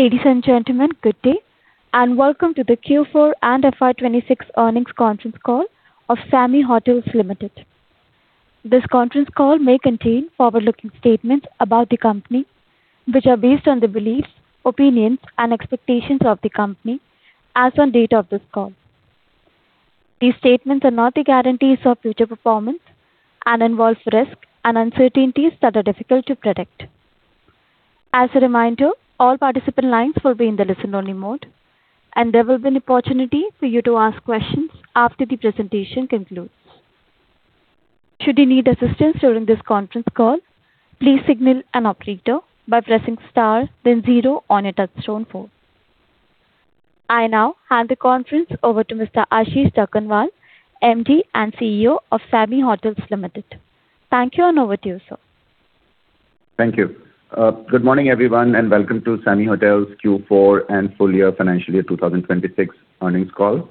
Ladies and gentlemen, good day, welcome to the Q4 and FY 2026 earnings conference call of SAMHI Hotels Limited. This conference call may contain forward-looking statements about the company, which are based on the beliefs, opinions, and expectations of the company as on date of this call. These statements are not the guarantees of future performance and involve risks and uncertainties that are difficult to predict. As a reminder, all participant lines will be in the listen-only mode, and there will be an opportunity for you to ask questions after the presentation concludes. Should you need assistance during this conference call, please signal an operator by pressing star then zero on your touch-tone phone. I now hand the conference over to Mr. Ashish Jakhanwala, MD & CEO of SAMHI Hotels Limited. Thank you, over to you, sir. Thank you. Good morning, everyone, and welcome to SAMHI Hotels' Q4 and full year financial year 2026 earnings call.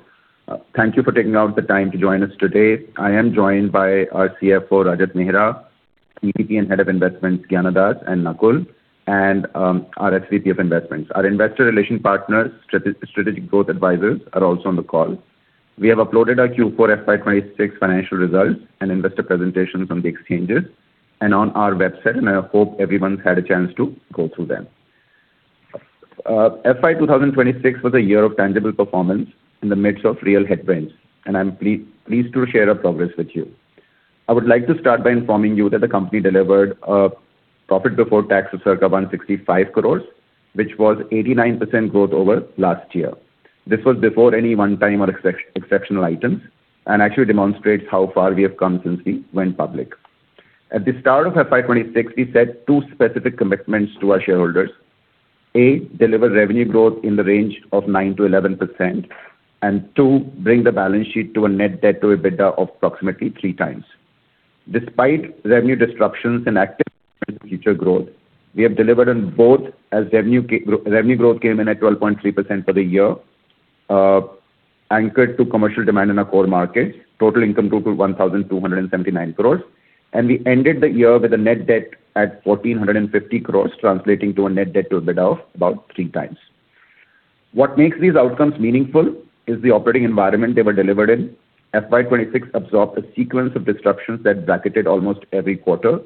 Thank you for taking out the time to join us today. I am joined by our CFO, Rajat Mehra, EVP and Head of Investments, Gyana Das and Nakul Manaktala, and our SVP of Investments. Our investor relation partners, strategic growth advisors, are also on the call. We have uploaded our Q4 FY 2026 financial results and investor presentation from the exchanges and on our website. I hope everyone's had a chance to go through them. FY 2026 was a year of tangible performance in the midst of real headwinds. I'm pleased to share our progress with you. I would like to start by informing you that the company delivered a profit before tax of circa 165 crores, which was 89% growth over last year. This was before any one-time or exceptional items and actually demonstrates how far we have come since we went public. At the start of FY 2026, we set two specific commitments to our shareholders. One, deliver revenue growth in the range of 9%-11%, two, bring the balance sheet to a net debt to EBITDA of approximately three times. Despite revenue disruptions and active future growth, we have delivered on both as revenue growth came in at 12.3% for the year, anchored to commercial demand in our core markets. Total income grew to 1,279 crores, we ended the year with a net debt at 1,450 crores, translating to a net debt to EBITDA of about three times. What makes these outcomes meaningful is the operating environment they were delivered in. FY 2026 absorbed a sequence of disruptions that bracketed almost every quarter.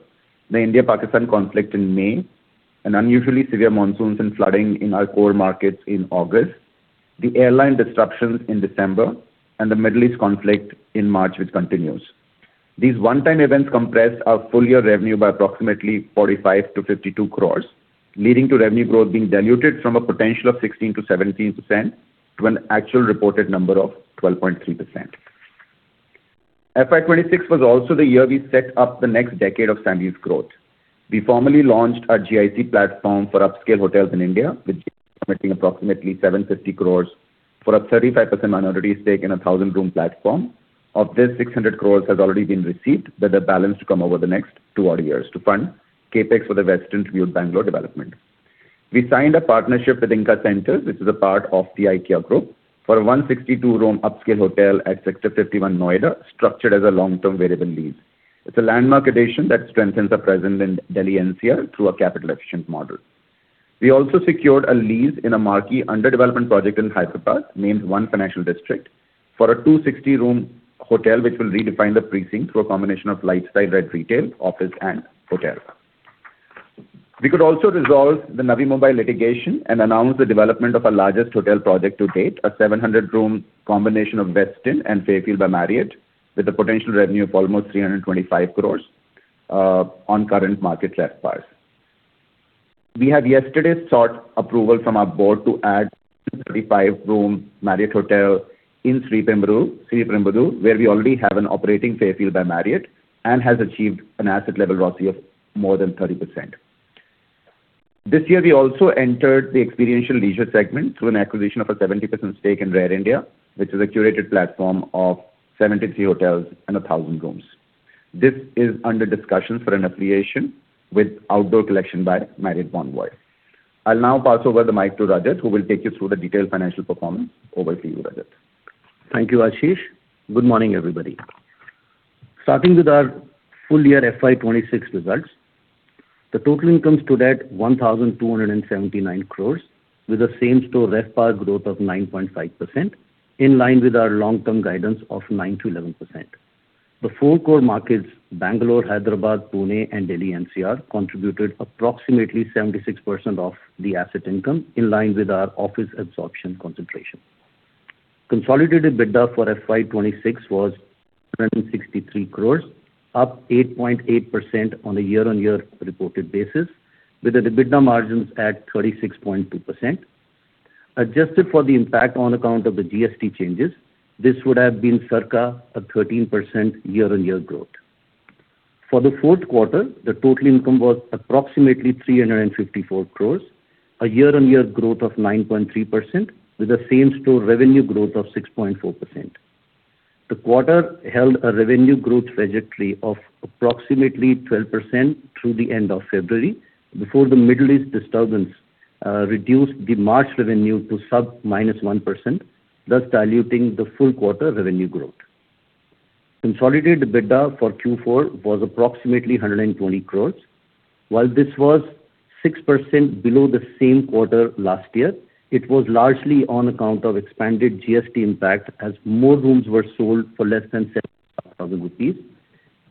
The India-Pakistan conflict in May, an unusually severe monsoons and flooding in our core markets in August, the airline disruptions in December, and the Middle East conflict in March, which continues. These one-time events compressed our full-year revenue by approximately 45 crores-52 crores, leading to revenue growth being diluted from a potential of 16%-17% to an actual reported number of 12.3%. FY 2026 was also the year we set up the next decade of SAMHI's growth. We formally launched our GIC platform for upscale hotels in India, with committing approximately 750 crores for a 35% minority stake in a 1,000-room platform. Of this, 600 crores has already been received, with the balance to come over the next two odd years to fund CapEx for The Westin Tribute at Bangalore development. We signed a partnership with Ingka Centres, which is a part of the Ingka Group, for a 162-room upscale hotel at Sector 51, Noida, structured as a long-term variable lease. It's a landmark addition that strengthens our presence in Delhi NCR through a capital-efficient model. We also secured a lease in a marquee under-development project in Hyderabad, named One Financial District, for a 260-room hotel, which will redefine the precinct through a combination of lifestyle-led retail, office, and hotel. We could also resolve the Navi Mumbai litigation and announce the development of our largest hotel project to date, a 700-room combination of Westin and Fairfield by Marriott, with a potential revenue of almost 325 crores on current market RevPAR. We have yesterday sought approval from our board to add a 335-room Marriott hotel in Sriperumbudur, where we already have an operating Fairfield by Marriott and has achieved an asset-level ROCE of more than 30%. This year, we also entered the experiential leisure segment through an acquisition of a 70% stake in RARE India, which is a curated platform of 73 hotels and 1,000 rooms. This is under discussion for an affiliation with Autograph Collection by Marriott Bonvoy. I'll now pass over the mic to Rajat, who will take you through the detailed financial performance. Over to you, Rajat. Thank you, Ashish. Good morning, everybody. Starting with our full-year FY 2026 results, the total income stood at 1,279 crores with a same-store RevPAR growth of 9.5%, in line with our long-term guidance of 9%-11%. The four core markets, Bangalore, Hyderabad, Pune, and Delhi NCR contributed approximately 76% of the asset income, in line with our office absorption concentration. Consolidated EBITDA for FY 2026 was INR 263 crores, up 8.8% on a year-on-year reported basis, with the EBITDA margins at 36.2%. Adjusted for the impact on account of the GST changes, this would have been circa a 13% year-on-year growth. For the fourth quarter, the total income was approximately 354 crores, a year-on-year growth of 9.3% with the same-store revenue growth of 6.4%. The quarter held a revenue growth trajectory of approximately 12% through the end of February, before the Middle East disturbance reduced the March revenue to sub minus 1%, thus diluting the full quarter revenue growth. Consolidated EBITDA for Q4 was approximately 120 crores. While this was 6% below the same quarter last year, it was largely on account of expanded GST impact as more rooms were sold for less than 70,000 rupees,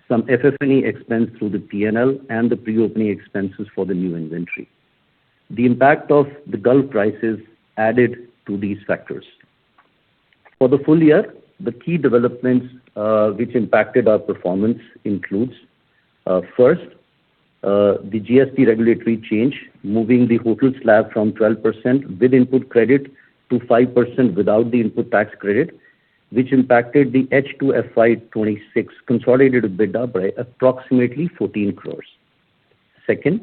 some FF&E expense through the P&L and the pre-opening expenses for the new inventory. The impact of the Gulf prices added to these factors. For the full year, the key developments which impacted our performance includes, first, the GST regulatory change, moving the hotel slab from 12% with input credit to 5% without the input tax credit, which impacted the H2 FY 2026 consolidated EBITDA by approximately 14 crores. Second,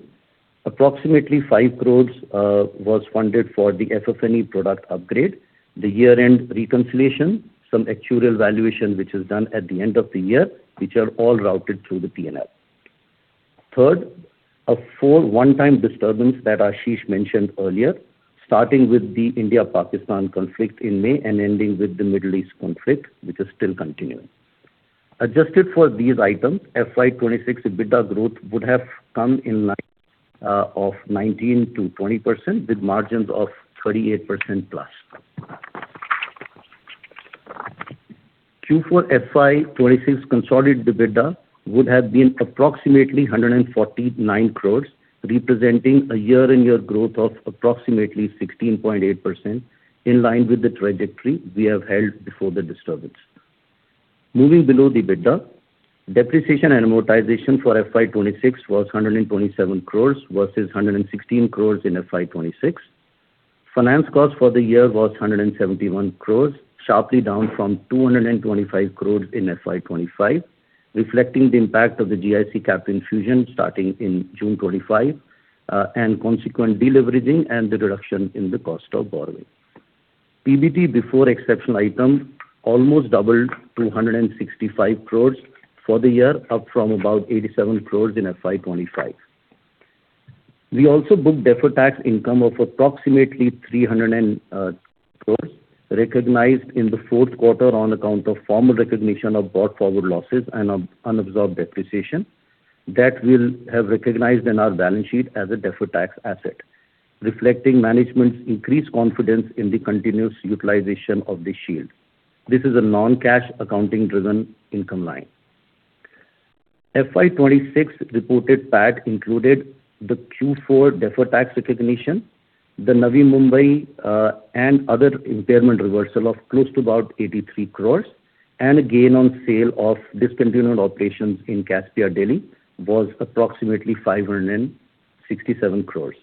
approximately 5 crore was funded for the FF&E product upgrade, the year-end reconciliation, some actuarial valuation, which is done at the end of the year, which are all routed through the P&L. Third, a full one-time disturbance that Ashish mentioned earlier, starting with the India-Pakistan conflict in May and ending with the Middle East conflict, which is still continuing. Adjusted for these items, FY 2026 EBITDA growth would have come in line of 19%-20% with margins of 38%+. Q4 FY 2026 consolidated EBITDA would have been approximately 149 crore, representing a year-over-year growth of approximately 16.8%, in line with the trajectory we have held before the disturbance. Moving below the EBITDA, depreciation and amortization for FY 2026 was 127 crore versus 116 crore in FY 2026. Finance cost for the year was 171 crore, sharply down from 225 crore in FY 2025, reflecting the impact of the GIC capital infusion starting in June 2025, and consequent deleveraging and the reduction in the cost of borrowing. PBT before exceptional items almost doubled to 165 crore for the year, up from about 87 crore in FY 2025. We also booked deferred tax income of approximately 300 crore recognized in the fourth quarter on account of formal recognition of brought forward losses and unabsorbed depreciation. That we'll have recognized in our balance sheet as a deferred tax asset, reflecting management's increased confidence in the continuous utilization of this shield. This is a non-cash accounting driven income line. FY 2026 reported PAT included the Q4 deferred tax recognition, the Navi Mumbai and other impairment reversal of close to about 83 crores, and a gain on sale of discontinued operations in Caspia Delhi was approximately 567 crores.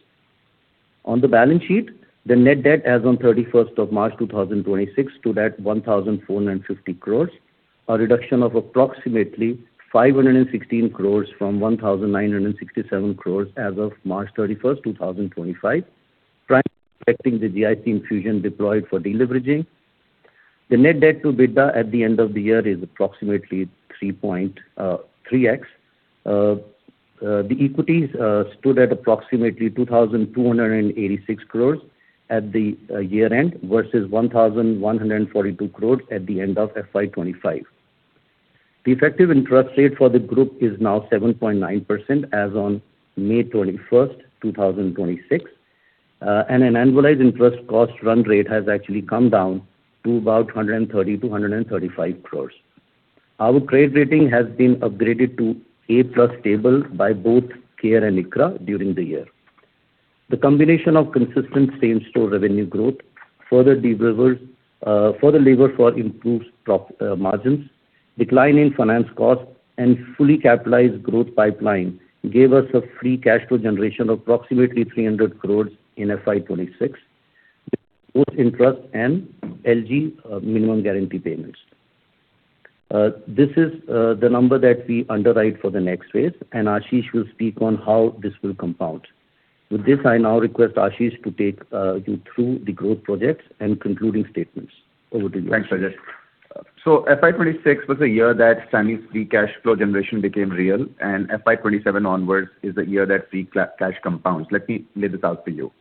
On the balance sheet, the net debt as on March 31st, 2026 stood at 1,450 crores, a reduction of approximately 516 crores from 1,967 crores as of March 31st, 2025, primarily reflecting the GIC infusion deployed for deleveraging. The net debt to EBITDA at the end of the year is approximately 3.3x. The equities stood at approximately 2,286 crores at the year-end versus 1,142 crores at the end of FY 2025. The effective interest rate for the group is now 7.9% as on May 21st, 2026. An annualized interest cost run rate has actually come down to about 130-135 crores. Our credit rating has been upgraded to A+ stable by both CARE and ICRA during the year. The combination of consistent same-store revenue growth, further lever for improved margins, decline in finance cost, and fully capitalized growth pipeline gave us a free cash flow generation of approximately 300 crore in FY 2026, with both interest and LG minimum guarantee payments. This is the number that we underwrite for the next phase, and Ashish will speak on how this will compound. With this, I now request Ashish to take you through the growth projects and concluding statements. Over to you. Thanks, Rajat. FY 2026 was a year that SAMHI's free cash flow generation became real, and FY 2027 onwards is the year that free cash compounds. Let me lay this out for you.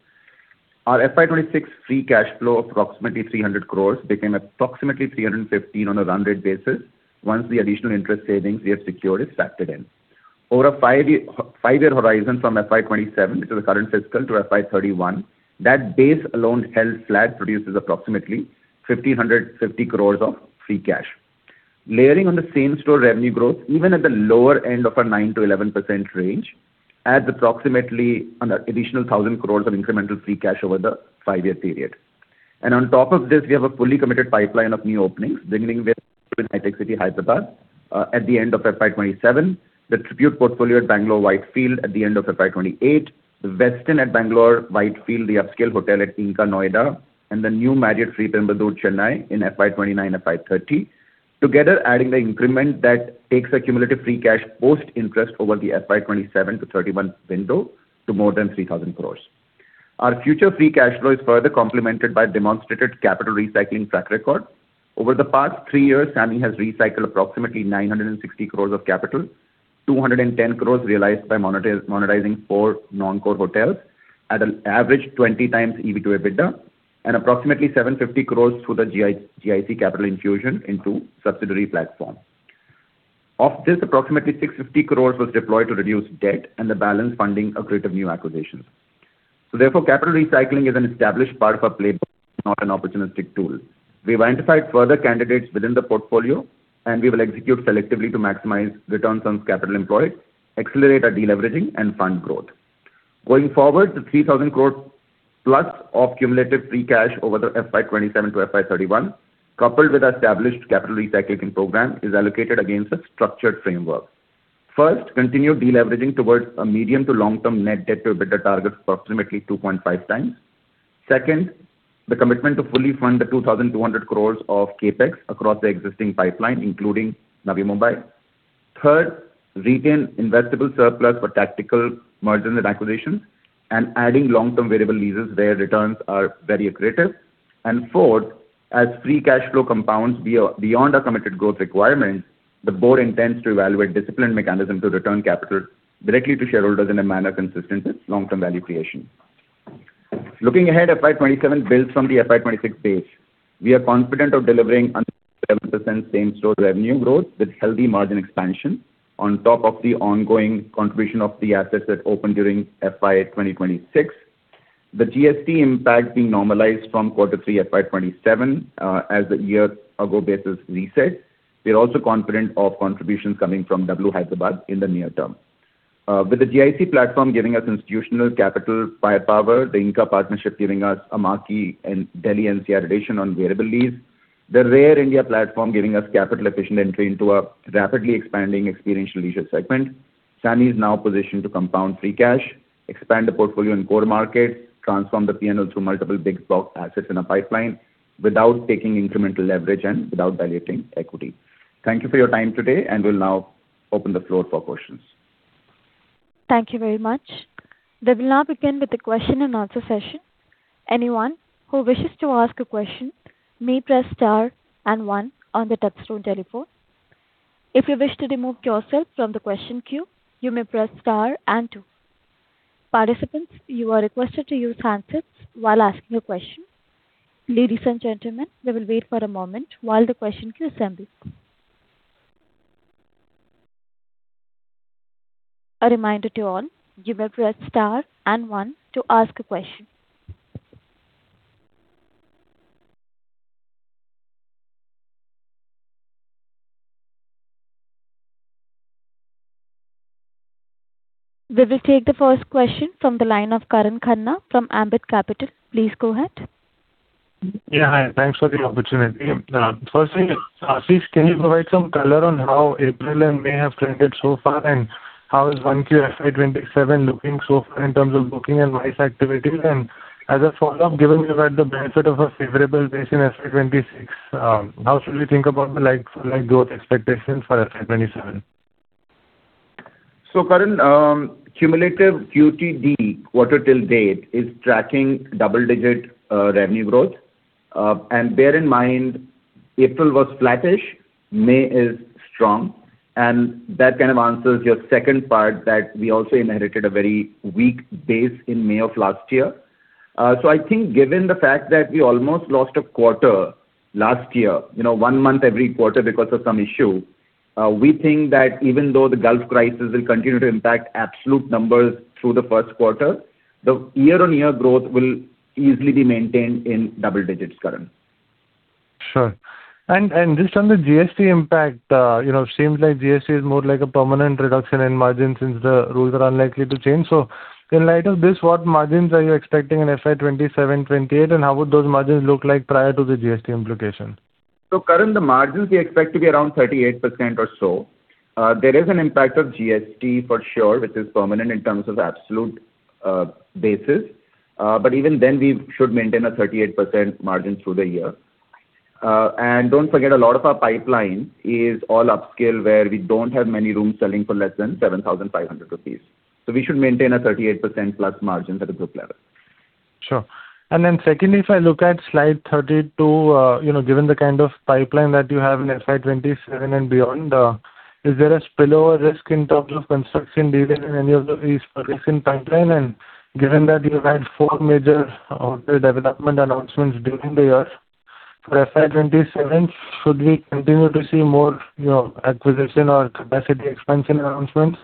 Our FY 2026 free cash flow, approximately 300 crores, became approximately 315 on a run rate basis once the additional interest savings we have secured is factored in. Over a five-year horizon from FY 2027, which is the current fiscal, to FY 2031, that base alone held flat produces approximately 1,550 crores of free cash. Layering on the same-store revenue growth, even at the lower end of our 9%-11% range, adds approximately an additional 1,000 crores of incremental free cash over the five-year period. On top of this, we have a fully committed pipeline of new openings, beginning with W City Hyderabad at the end of FY 2027, the Tribute Portfolio at Bengaluru Whitefield at the end of FY 2028, the Westin at Bengaluru Whitefield, the upscale hotel at Ingka Noida, and the new Marriott Sriperumbudur Chennai in FY 2029, FY 2030. Together adding the increment that takes the cumulative free cash post interest over the FY 2027 to 2031 window to more than 3,000 crores. Our future free cash flow is further complemented by demonstrated capital recycling track record. Over the past three years, SAMHI has recycled approximately 960 crores of capital 210 crores realized by monetizing four non-core hotels at an average 20 times EV to EBITDA, and approximately 750 crores through the GIC capital infusion into subsidiary platform. Of this, approximately 650 crores was deployed to reduce debt and the balance funding accretive new acquisitions. Therefore, capital recycling is an established part of our playbook, not an opportunistic tool. We've identified further candidates within the portfolio, and we will execute selectively to maximize returns on capital employed, accelerate our de-leveraging, and fund growth. Going forward, the 3,000 crore plus of cumulative free cash over the FY 2027 to FY 2031, coupled with established capital recycling program, is allocated against a structured framework. First, continue de-leveraging towards a medium to long-term net debt to EBITDA target of approximately 2.5 times. Second, the commitment to fully fund the 2,200 crore of CapEx across the existing pipeline, including Navi Mumbai. Third, retain investable surplus for tactical mergers and acquisitions and adding long-term variable leases where returns are very accretive. Fourth, as free cash flow compounds beyond our committed growth requirements, the board intends to evaluate disciplined mechanism to return capital directly to shareholders in a manner consistent with long-term value creation. Looking ahead, FY 2027 builds from the FY 2026 base. We are confident of delivering 7% same-store revenue growth with healthy margin expansion on top of the ongoing contribution of the assets that opened during FY 2026. The GST impact being normalized from quarter three FY 2027, as the year-ago basis resets. We are also confident of contributions coming from W Hyderabad in the near term. With the GIC platform giving us institutional capital firepower, the Ingka partnership giving us a marquee in Delhi NCR addition on variable lease. The RARE India platform giving us capital efficient entry into a rapidly expanding experiential leisure segment. SAMHI is now positioned to compound free cash, expand the portfolio in core markets, transform the P&L through multiple big box assets in a pipeline without taking incremental leverage and without diluting equity. Thank you for your time today, and we'll now open the floor for questions. Thank you very much. We will now begin with the question-and-answer session. Anyone who wishes to ask a question may press star and one on the touchtone telephone. If you wish to remove yourself from the question queue, you may press star and two. Participants, you are requested to use handsets while asking a question. Ladies and gentlemen, we will wait for a moment while the question queue assembles. A reminder to all, you may press star and one to ask a question. We will take the first question from the line of Karan Khanna from Ambit Capital. Please go ahead. Yeah. Hi. Thanks for the opportunity. Firstly, Ashish, can you provide some color on how April and May have trended so far, and how is Q1 FY 2027 looking so far in terms of booking and MICE activities? As a follow-up, given you had the benefit of a favorable base in FY 2026, how should we think about the like-for-like growth expectations for FY 2027? Karan, cumulative QTD, quarter till date, is tracking double-digit revenue growth. Bear in mind, April was flattish, May is strong, and that kind of answers your second part that we also inherited a very weak base in May of last year. I think given the fact that we almost lost a quarter last year, one month every quarter because of some issue, we think that even though the Gulf crisis will continue to impact absolute numbers through the first quarter, the year-on-year growth will easily be maintained in double digits, Karan. Sure. Just on the GST impact, seems like GST is more like a permanent reduction in margin since the rules are unlikely to change. In light of this, what margins are you expecting in FY 2027, 2028, and how would those margins look like prior to the GST implications? Karan, the margins we expect to be around 38% or so. There is an impact of GST for sure, which is permanent in terms of absolute basis. Even then, we should maintain a 38% margin through the year. Don't forget, a lot of our pipeline is all upscale, where we don't have many rooms selling for less than 7,500 rupees. We should maintain a 38% plus margins at a group level. Sure. Secondly, if I look at slide 32, given the kind of pipeline that you have in FY 2027 and beyond, is there a spillover risk in terms of construction delay in any of the recent pipeline? Given that you had four major hotel development announcements during the year. For FY 2027, should we continue to see more acquisition or capacity expansion announcements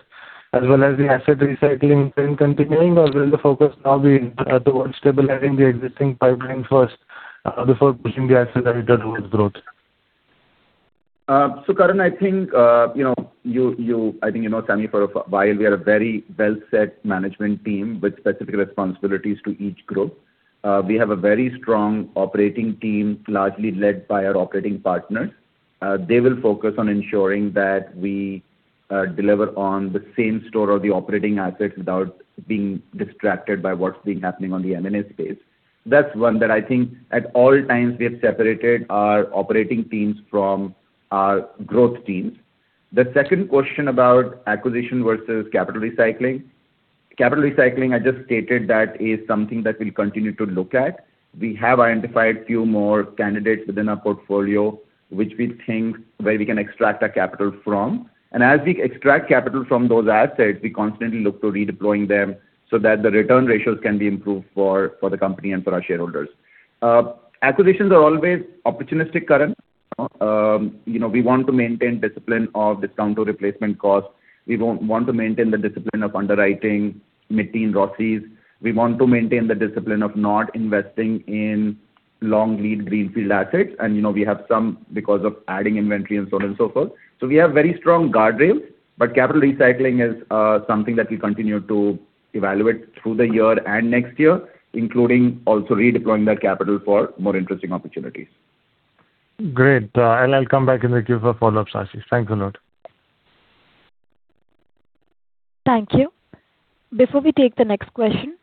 as well as the asset recycling trend continuing, or will the focus now be towards stabilizing the existing pipeline first, before pushing the accelerator towards growth? Karan, I think you know SAMHI for a while. We are a very well-set management team with specific responsibilities to each group. We have a very strong operating team, largely led by our operating partners. They will focus on ensuring that we deliver on the same store of the operating assets without being distracted by what's been happening on the M&A space. That's one that I think at all times we have separated our operating teams from our growth teams. The second question about acquisition versus Capital recycling, I just stated that is something that we'll continue to look at. We have identified a few more candidates within our portfolio, which we think where we can extract our capital from. As we extract capital from those assets, we constantly look to redeploying them so that the return ratios can be improved for the company and for our shareholders. Acquisitions are always opportunistic, Karan. We want to maintain discipline of discount or replacement costs. We want to maintain the discipline of underwriting, meeting ROCEs. We want to maintain the discipline of not investing in long-lead greenfield assets, and we have some because of adding inventory and so on and so forth. We have very strong guardrails, but capital recycling is something that we continue to evaluate through the year and next year, including also redeploying that capital for more interesting opportunities. Great. I'll come back in the queue for follow-ups, Ashish. Thanks a lot. Thank you. Before we take the next question,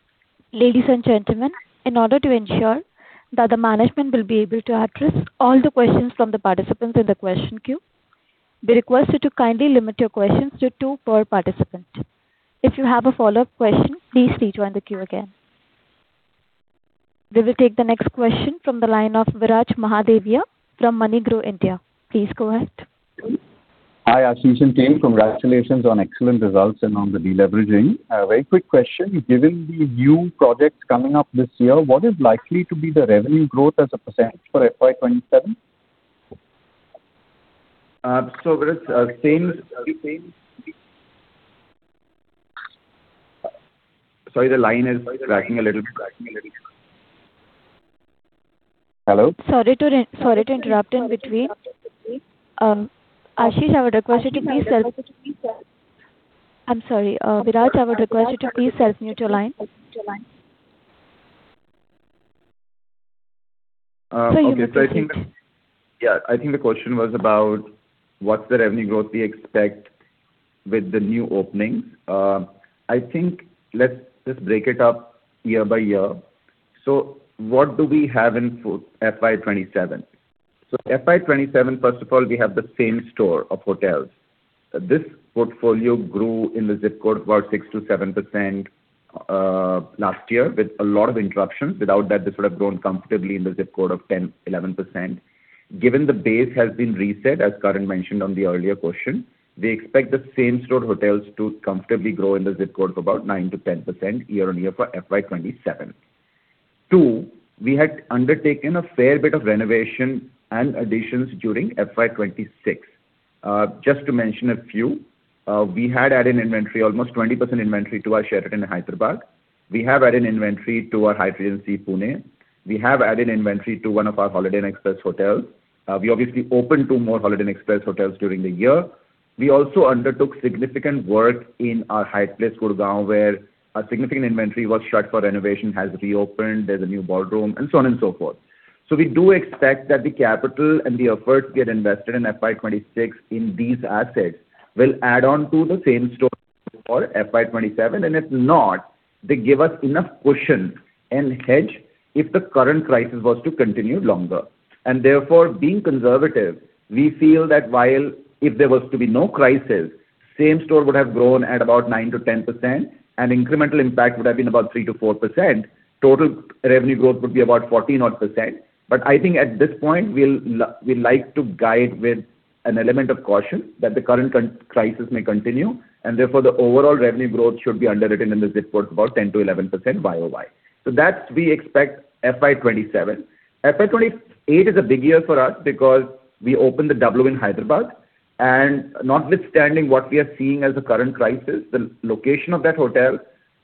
ladies and gentlemen, in order to ensure that the management will be able to address all the questions from the participants in the question queue, we request you to kindly limit your questions to two per participant. If you have a follow-up question, please stay to end the queue again. We will take the next question from the line of Viraj Mahadevia from MoneyGrow India. Please go ahead. Hi, Ashish and team. Congratulations on excellent results and on the de-leveraging. A very quick question. Given the new projects coming up this year, what is likely to be the revenue growth as a pecent for FY 2027? Viraj, sorry, the line is cracking a little bit. Hello? Sorry to interrupt in between. I'm sorry. Viraj, I would request you to please self-mute your line. Sorry again for the interruption. Okay. I think the question was about what's the revenue growth we expect with the new openings. I think let's just break it up year by year. What do we have in FY 2027? FY 2027, first of all, we have the same store of hotels. This portfolio grew in the zip code about 6%-7% last year with a lot of interruptions. Without that, this would have grown comfortably in the zip code of 10%-11%. Given the base has been reset, as Karan mentioned on the earlier question, we expect the same store hotels to comfortably grow in the zip code for about 9%-10% year-on-year for FY 2027. Two, we had undertaken a fair bit of renovation and additions during FY 2026. Just to mention a few, we had added inventory, almost 20% inventory to our Sheraton Hyderabad. We have added inventory to our Hyatt Regency Pune. We have added inventory to one of our Holiday Inn Express hotels. We obviously opened two more Holiday Inn Express hotels during the year. We also undertook significant work in our Hyatt Place Gurgaon, where a significant inventory was shut for renovation, has reopened. There's a new ballroom and so on and so forth. We do expect that the capital and the efforts we had invested in FY 2026 in these assets will add on to the same store for FY 2027, and if not, they give us enough cushion and hedge if the current crisis was to continue longer. Therefore, being conservative, we feel that while if there was to be no crisis, same store would have grown at about 9%-10%, and incremental impact would have been about 3%-4%. Total revenue growth would be about 14-odd%. I think at this point, we like to guide with an element of caution that the current crisis may continue, and therefore the overall revenue growth should be underwritten in the zip code for about 10%-11% YoY. That we expect FY 2027. FY 2028 is a big year for us because we opened the W in Hyderabad, and notwithstanding what we are seeing as the current crisis, the location of that hotel,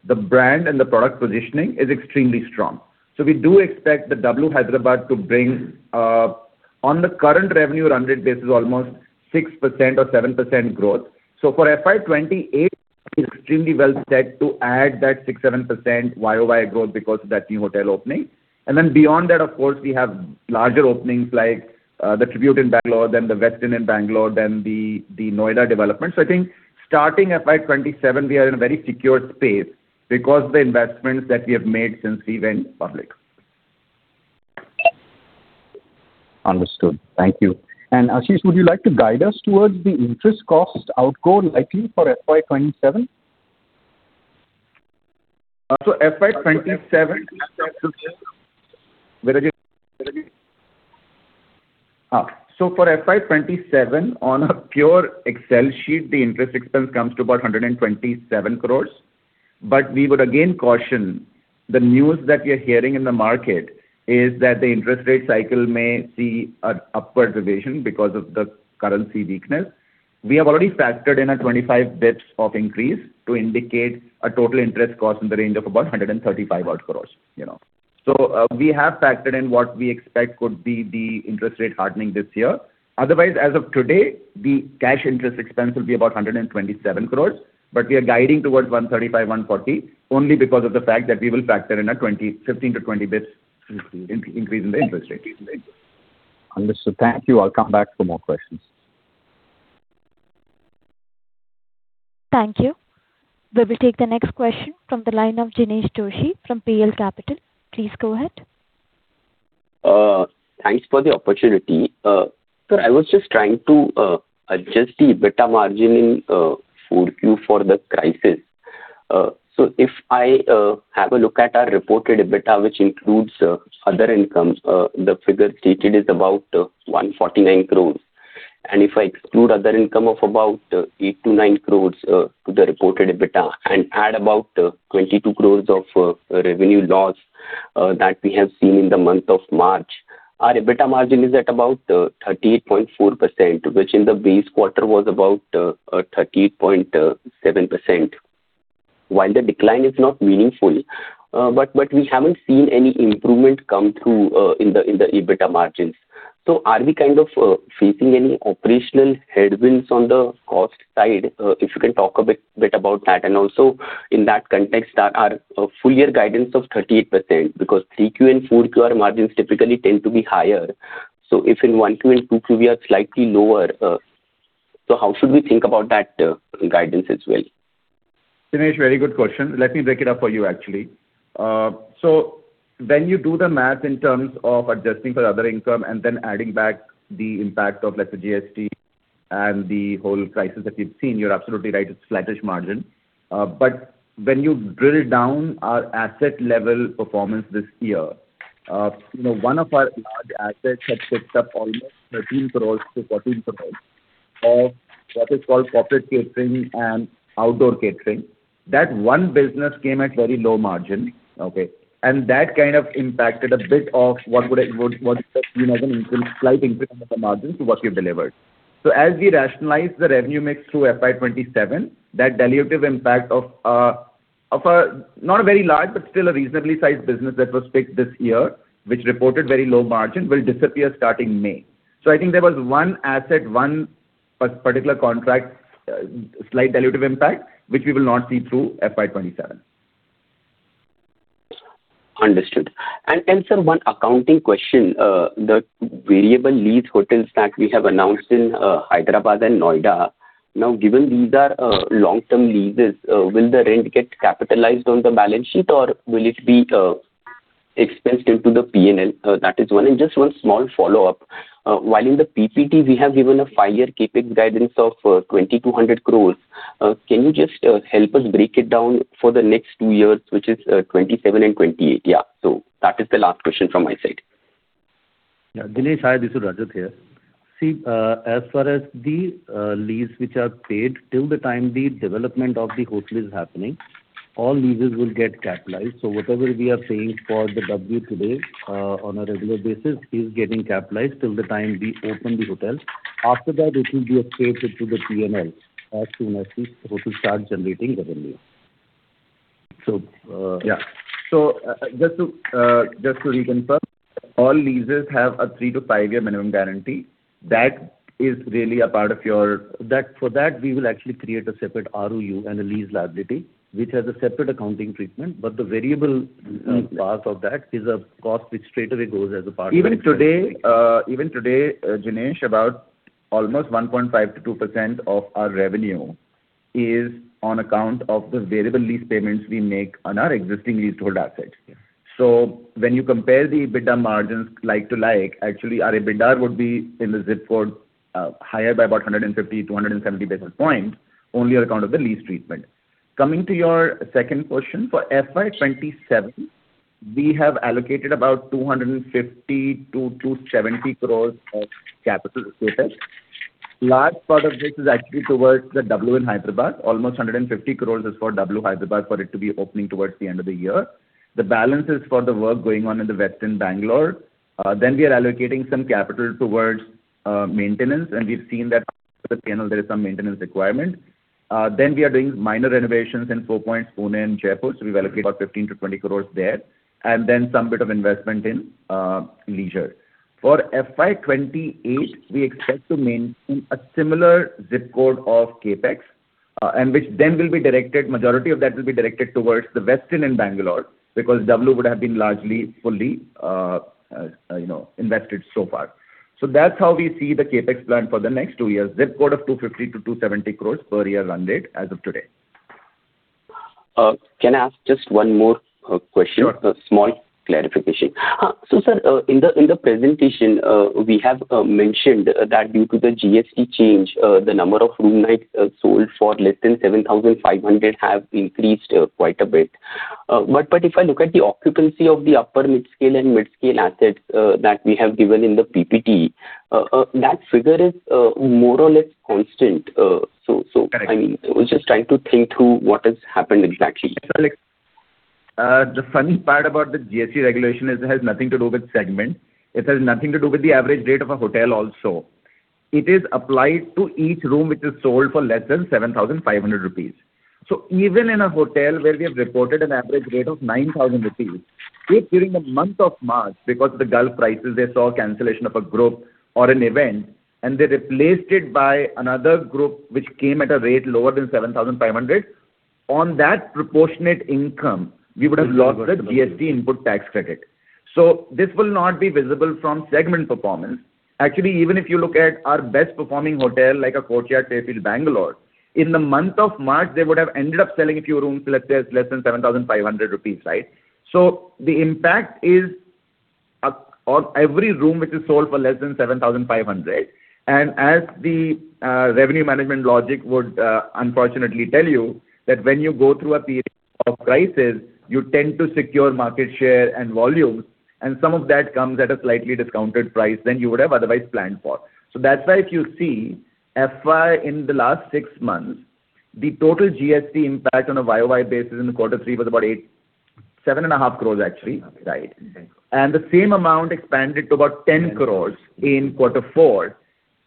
the brand and the product positioning is extremely strong. We do expect the W Hyderabad to bring, on the current revenue run rate basis, almost 6% or 7% growth. For FY 2028, we are extremely well set to add that 6%, 7% YoY growth because of that new hotel opening. Beyond that, of course, we have larger openings like the Tribute in Bengaluru, then The Westin in Bengaluru, then the Noida development. I think starting FY 2027, we are in a very secure space because the investments that we have made since we went public. Understood. Thank you. Ashish, would you like to guide us towards the interest cost outgo likely for FY 2027? FY 2027? Viraj here. For FY 2027, on a pure Excel sheet, the interest expense comes to about 127 crores. We would again caution the news that we are hearing in the market is that the interest rate cycle may see an upward revision because of the currency weakness. We have already factored in a 25 basis points of increase to indicate a total interest cost in the range of about 135 odd crores. We have factored in what we expect could be the interest rate hardening this year. As of today, the cash interest expense will be about 127 crores, but we are guiding towards 135, 140, only because of the fact that we will factor in a 15-20 bps increase in the interest rate. Understood. Thank you. I'll come back for more questions. Thank you. We will take the next question from the line of Jinesh Joshi from PL Capital. Please go ahead. Thanks for the opportunity. Sir, I was just trying to adjust the EBITDA margin in Q4 for the crisis. If I have a look at our reported EBITDA, which includes other incomes, the figure stated is about 149 crores. If I exclude other income of about 8 crores-9 crores to the reported EBITDA and add about 22 crores of revenue loss that we have seen in the month of March, our EBITDA margin is at about 38.4%, which in the base quarter was about 38.7%. While the decline is not meaningful, but we haven't seen any improvement come through in the EBITDA margins. Are we kind of facing any operational headwinds on the cost side? If you can talk a bit about that, and also in that context, our full year guidance of 38%, because Q3 and Q4 our margins typically tend to be higher. If in Q1 and Q2 we are slightly lower, how should we think about that guidance as well? Jinesh, very good question. Let me break it up for you, actually. When you do the math in terms of adjusting for other income and then adding back the impact of, let's say, GST and the whole crisis that we've seen, you're absolutely right, it's flattish margin. When you drill down our asset level performance this year, one of our large assets had picked up almost 13 crores-14 crores of what is called corporate catering and outdoor catering. That one business came at very low margin. Okay? That kind of impacted a bit of what would have been a slight increase in the margin to what we've delivered. As we rationalize the revenue mix through FY 2027, that dilutive impact of a not very large but still a reasonably sized business that was picked this year, which reported very low margin, will disappear starting May. I think there was one asset, one particular contract, slight dilutive impact, which we will not see through FY 2027. Understood. Sir, one accounting question. The variable lease hotel stack we have announced in Hyderabad and Noida. Given these are long-term leases, will the rent get capitalized on the balance sheet, or will it be expensed into the P&L? That is one. Just one small follow-up. While in the PPT, we have given a five-year CapEx guidance of 2,200 crore, can you just help us break it down for the next two years, which is 2027 and 2028? Yeah. That is the last question from my side. Yeah. Jinesh, hi. This is Rajat here. As far as the lease which are paid, till the time the development of the hotel is happening, all leases will get capitalized. Whatever we are paying for the W today on a regular basis is getting capitalized till the time we open the hotel. After that, it will be expensed into the P&L as soon as the hotel starts generating revenue. Yeah. Just to reconfirm, all leases have a three to five year minimum guarantee. That is really a part of your— For that, we will actually create a separate ROU and a lease liability, which has a separate accounting treatment. The variable part of that is a cost which straightaway goes. Even today, Jinesh, about almost 1.5%-2% of our revenue is on account of the variable lease payments we make on our existing leasehold assets. When you compare the EBITDA margins like to like, actually our EBITDA would be in the ZIP code higher by about 150 to 170 basis points only on account of the lease treatment. Coming to your second question, for FY 2027, we have allocated about 250-270 crores of capital expenditure. Large part of this is actually towards the W Hyderabad. Almost 150 crores is for W Hyderabad for it to be opening towards the end of the year. The balance is for the work going on in the Westin Bengaluru. We are allocating some capital towards maintenance, and we've seen that for the P&L there is some maintenance requirement. We are doing minor renovations in Four Points Pune and Jaipur, we've allocated about 15 crore-20 crore there. Some bit of investment in leisure. For FY 2028, we expect to maintain a similar zip code of CapEx, which then will be directed, majority of that will be directed towards the Westin Bengaluru because W would have been largely fully invested so far. That's how we see the CapEx plan for the next two years. Zip code of 250 crore-270 crore per year run rate as of today. Can I ask just one more question? Sure. A small clarification. Sir, in the presentation, we have mentioned that due to the GST change, the number of room nights sold for less than 7,500 have increased quite a bit. If I look at the occupancy of the upper mid-scale and mid-scale assets that we have given in the PPT, that figure is more or less constant. Correct. I was just trying to think through what has happened exactly. The funny part about the GST regulation is it has nothing to do with segment. It has nothing to do with the average rate of a hotel also. It is applied to each room which is sold for less than 7,500 rupees. Even in a hotel where we have reported an average rate of 9,000 rupees, if during the month of March, because of the Gulf crisis, they saw cancellation of a group or an event, and they replaced it by another group which came at a rate lower than 7,500. That's right. We would have lost the GST input tax credit. This will not be visible from segment performance. Actually, even if you look at our best-performing hotel, like a Courtyard Fairfield Bangalore, in the month of March, they would have ended up selling a few rooms, let's say, less than 7,500 rupees. The impact is on every room which is sold for less than 7,500. As the revenue management logic would unfortunately tell you, that when you go through a period of crisis, you tend to secure market share and volumes, and some of that comes at a slightly discounted price than you would have otherwise planned for. That's why if you see, FY in the last six months, the total GST impact on a YoY basis in the quarter three was about 7.5 crores actually. Okay. The same amount expanded to about 10 crore in quarter four.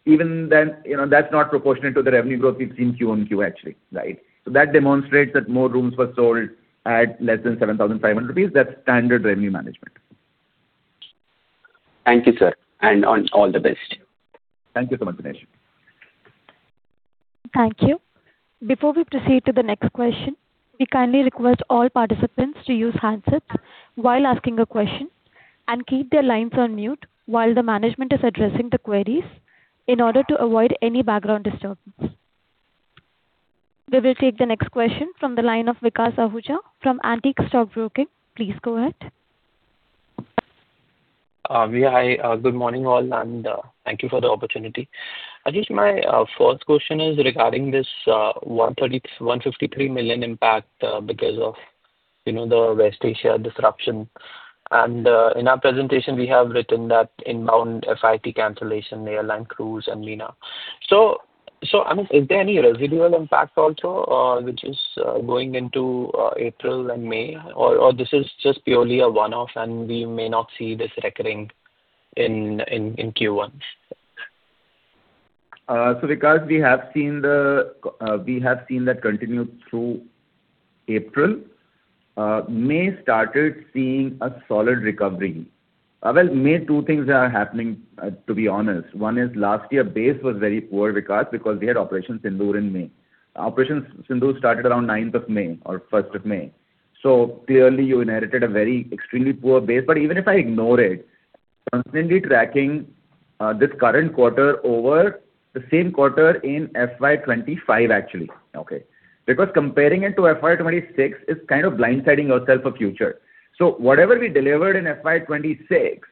Even then, that's not proportionate to the revenue growth we've seen Q1, Q3 actually. That demonstrates that more rooms were sold at less than 7,500 rupees. That's standard revenue management. Thank you, sir. All the best. Thank you so much, Jinesh. Thank you. Before we proceed to the next question, we kindly request all participants to use handsets while asking a question and keep their lines on mute while the management is addressing the queries in order to avoid any background disturbance. We will take the next question from the line of Vikas Ahuja from Antique Stock Broking. Please go ahead. Hi. Good morning, all. Thank you for the opportunity. Ashish, my first question is regarding this 153 million impact because of the West Asia disruption. In our presentation, we have written that inbound FIT cancellation, airline, cruise, and MENA. Is there any residual impact also which is going into April and May? Or this is just purely a one-off and we may not see this recurring in Q1? Because we have seen that continue through April. May started seeing a solid recovery. Well, May, two things are happening, to be honest. One is last year base was very poor, Vikas, because we had Operation Sindoor in May. Operation Sindoor started around 9th of May or 1st of May. Clearly you inherited a very extremely poor base. Even if I ignore it, constantly tracking this current quarter over the same quarter in FY 2025 actually. Okay. Comparing it to FY 2026 is kind of blindsiding yourself for future. Whatever we delivered in FY 2026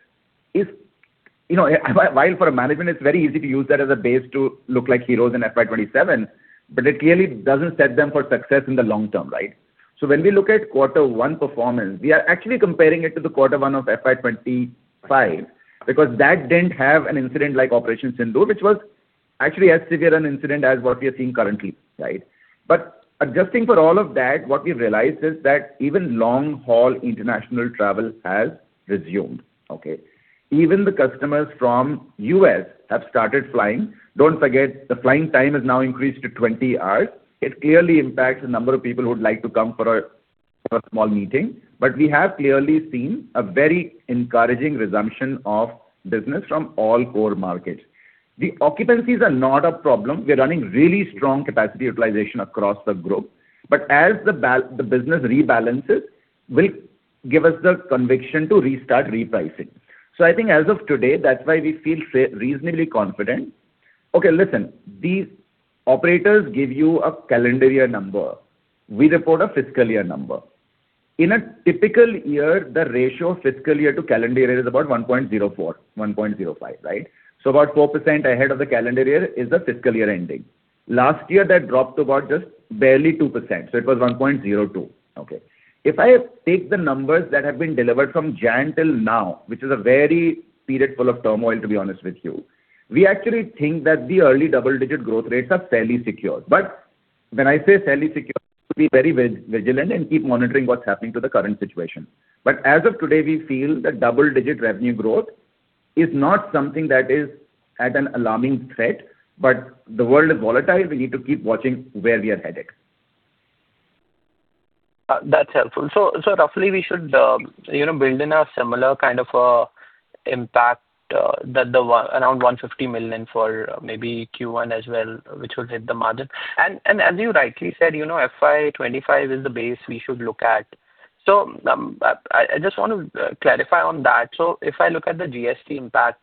while for a management, it's very easy to use that as a base to look like heroes in FY 2027, but it clearly doesn't set them for success in the long term. When we look at quarter one performance, we are actually comparing it to the quarter one of FY 2025 because that didn't have an incident like Operation Sindoor, which was actually as severe an incident as what we are seeing currently. Adjusting for all of that, what we've realized is that even long-haul international travel has resumed. Okay. Even the customers from the U.S. have started flying. Don't forget, the flying time has now increased to 20 hours. It clearly impacts the number of people who would like to come for a small meeting. We have clearly seen a very encouraging resumption of business from all core markets. The occupancies are not a problem. We are running really strong capacity utilization across the group. As the business rebalances will give us the conviction to restart repricing. I think as of today, that is why we feel reasonably confident. Okay, listen, these operators give you a calendar year number. We report a fiscal year number. In a typical year, the ratio of fiscal year to calendar year is about 1.04, 1.05. About 4% ahead of the calendar year is the fiscal year ending. Last year, that dropped to about just barely 2%. It was 1.02. Okay. If I take the numbers that have been delivered from January till now, which is a very period full of turmoil, to be honest with you, we actually think that the early double-digit growth rates are fairly secure. When I say fairly secure, to be very vigilant and keep monitoring what's happening to the current situation. As of today, we feel the double-digit revenue growth is not something that is at an alarming threat. The world is volatile, and we need to keep watching where we are headed. That's helpful. Roughly we should build in a similar kind of impact around 150 million for maybe Q1 as well, which will hit the margin. As you rightly said, FY 2025 is the base we should look at. I just want to clarify on that. If I look at the GST impact,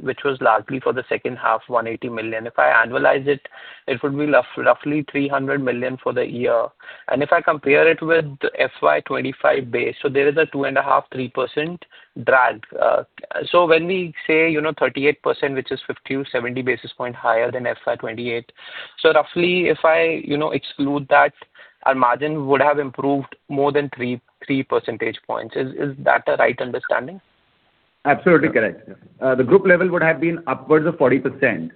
which was largely for the second half, 180 million. If I annualize it would be roughly 300 million for the year. If I compare it with the FY 2025 base, there is a 2.5%-3% drag. When we say 38%, which is 50-70 basis points higher than FY 2028. Roughly if I exclude that, our margin would have improved more than 3 percentage points. Is that a right understanding? Absolutely correct. The group level would have been upwards of 40%,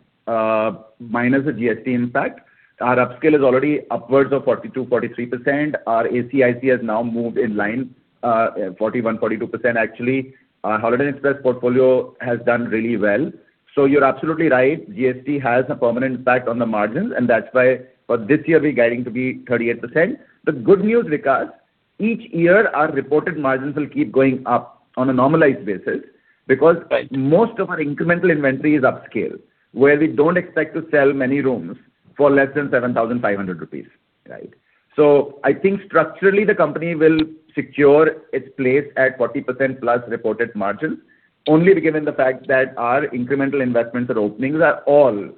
minus the GST impact. Our upscale is already upwards of 42%, 43%. Our ACIC has now moved in line, 41%, 42% actually. Our Holiday Inn Express portfolio has done really well. You're absolutely right. GST has a permanent impact on the margins, and that's why for this year, we're guiding to be 38%. The good news, Vikas, each year our reported margins will keep going up on a normalized basis because. Right most of our incremental inventory is upscale, where we don't expect to sell many rooms for less than 7,500 rupees. I think structurally, the company will secure its place at 40% plus reported margin, only given the fact that our incremental investments or openings are all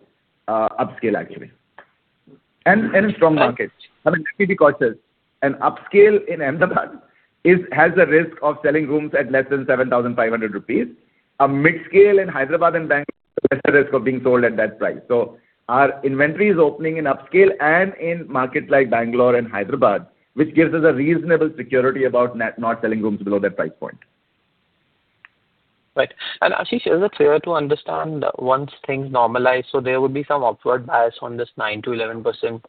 upscale actually. In strong markets. I mean, let's be cautious. An upscale in Ahmedabad has a risk of selling rooms at less than 7,500 rupees. A mid-scale in Hyderabad and Bangalore is at risk of being sold at that price. Our inventory is opening in upscale and in markets like Bangalore and Hyderabad, which gives us a reasonable security about not selling rooms below that price point. Right. Ashish, is it fair to understand once things normalize, so there would be some upward bias on this 9%-11%,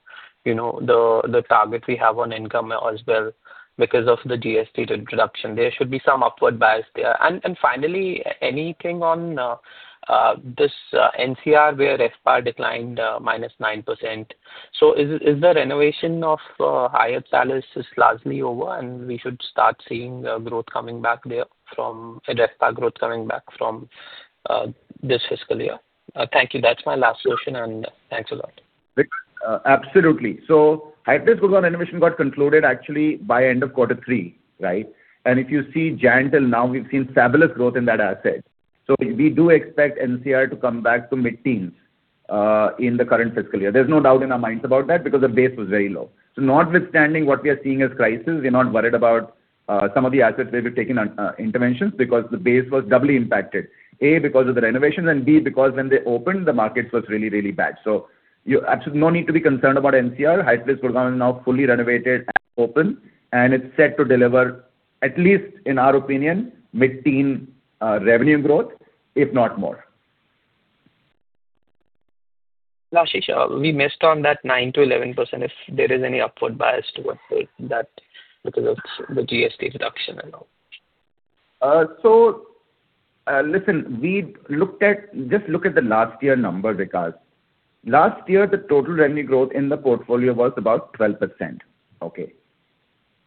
the target we have on income as well because of the GST introduction. There should be some upward bias there. Finally, anything on this NCR where RevPAR declined -9%. Is the renovation of Hyatt Place largely over and we should start seeing growth coming back there, RevPAR growth coming back from this fiscal year? Thank you. That's my last question and thanks a lot. Vikas. Absolutely. Hyatt Place Gurgaon renovation got concluded actually by end of quarter three. If you see January till now, we've seen fabulous growth in that asset. We do expect NCR to come back to mid-teens in the current fiscal year. There's no doubt in our minds about that because the base was very low. Notwithstanding what we are seeing as crisis, we're not worried about some of the assets where we've taken interventions because the base was doubly impacted. A, because of the renovation, and B, because when they opened, the market was really, really bad. No need to be concerned about NCR. Hyatt Place Gurgaon now fully renovated and open, and it's set to deliver, at least in our opinion, mid-teen revenue growth, if not more. Ashish, we missed on that 9%-11%, if there is any upward bias towards that because of the GST reduction and all. Listen, just look at the last year number, Vikas. Last year, the total revenue growth in the portfolio was about 12%. Okay.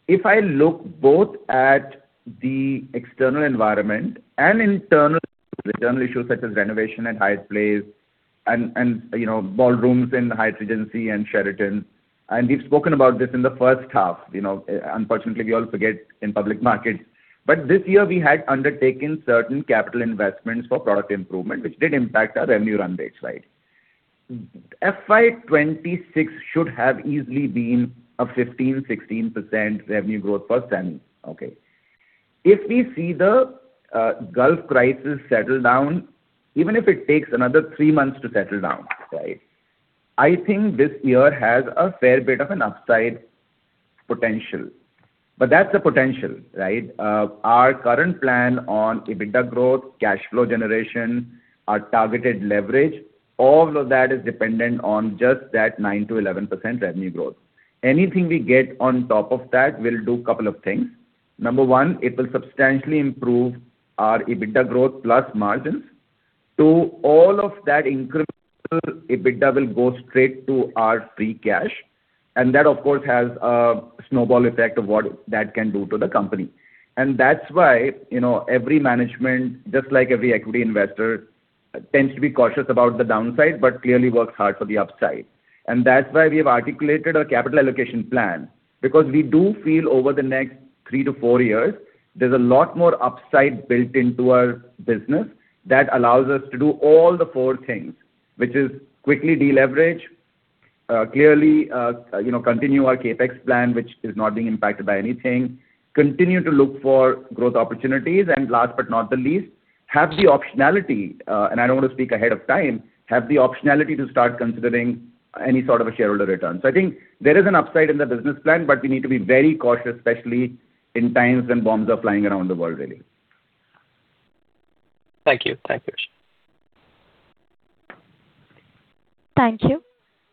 If I look both at the external environment and internal issues such as renovation at Hyatt Place and ballrooms in Hyatt Regency and Sheraton. We've spoken about this in the first half. Unfortunately, we all forget in public markets. This year we had undertaken certain capital investments for product improvement, which did impact our revenue run rates. FY 2026 should have easily been a 15%-16% revenue growth percent. Okay. If we see the Gulf crisis settle down, even if it takes another three months to settle down. I think this year has a fair bit of an upside potential, but that's the potential. Our current plan on EBITDA growth, cash flow generation, our targeted leverage, all of that is dependent on just that 9%-11% revenue growth. Anything we get on top of that will do a couple of things. Number one, it will substantially improve our EBITDA growth plus margins. Two, all of that incremental EBITDA will go straight to our free cash, and that, of course, has a snowball effect of what that can do to the company. That's why every management, just like every equity investor, tends to be cautious about the downside, but clearly works hard for the upside. That's why we have articulated our capital allocation plan because we do feel over the next three to four years, there's a lot more upside built into our business that allows us to do all the four things. Which is quickly deleverage, clearly continue our CapEx plan, which is not being impacted by anything. Continue to look for growth opportunities, last but not the least, have the optionality. I don't want to speak ahead of time. Have the optionality to start considering any sort of a shareholder return. I think there is an upside in the business plan, but we need to be very cautious, especially in times when bombs are flying around the world really. Thank you. Thanks, Ashish. Thank you.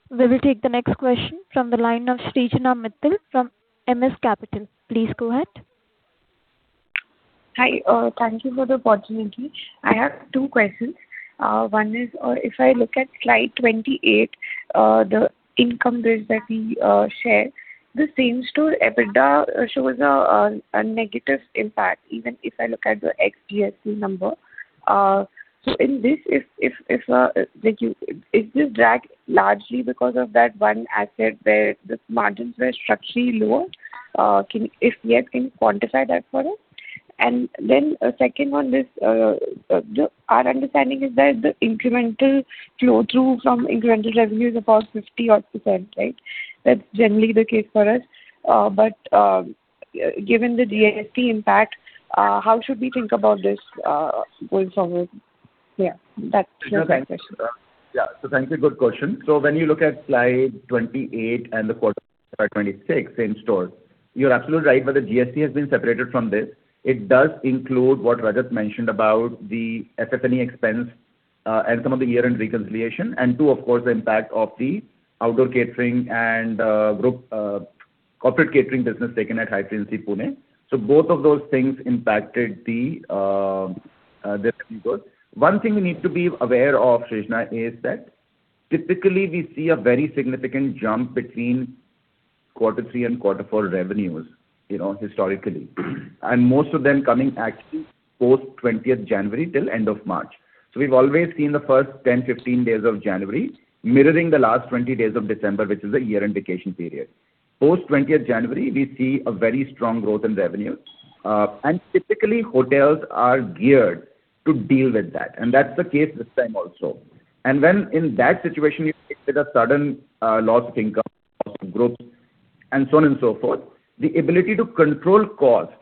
We will take the next question from the line of Shrinjana Mittal from MS Capital. Please go ahead. Hi. Thank you for the opportunity. I have two questions. One is, if I look at slide 28, the income bridge that we shared, the same-store EBITDA shows a negative impact even if I look at the ex-GST number. In this, is this dragged largely because of that one asset where these margins were structurally lower? If yes, can you quantify that for us? Second one is, our understanding is that the incremental flow-through from incremental revenue is about 50-odd %. That's generally the case for us. Given the GST impact, how should we think about this going forward? Yeah, that's my question. Thanks. A good question. When you look at slide 28 and the quarter 26 same stores, you're absolutely right, whether GST has been separated from this, it does include what Rajat mentioned about the FF&E expense and some of the year-end reconciliation. Two, of course, the impact of the outdoor catering and corporate catering business taken at Hyatt Regency Pune. Both of those things impacted the revenue growth. One thing we need to be aware of, Shrinjana, is that typically we see a very significant jump between quarter three and quarter four revenues historically. Most of them coming actually post 20th January till end of March. We've always seen the first 10, 15 days of January mirroring the last 20 days of December which is a year-end vacation period. Post 20th January, we see a very strong growth in revenues. Typically, hotels are geared to deal with that, and that's the case this time also. When in that situation you are hit with a sudden loss of income, loss of groups, and so on and so forth, the ability to control cost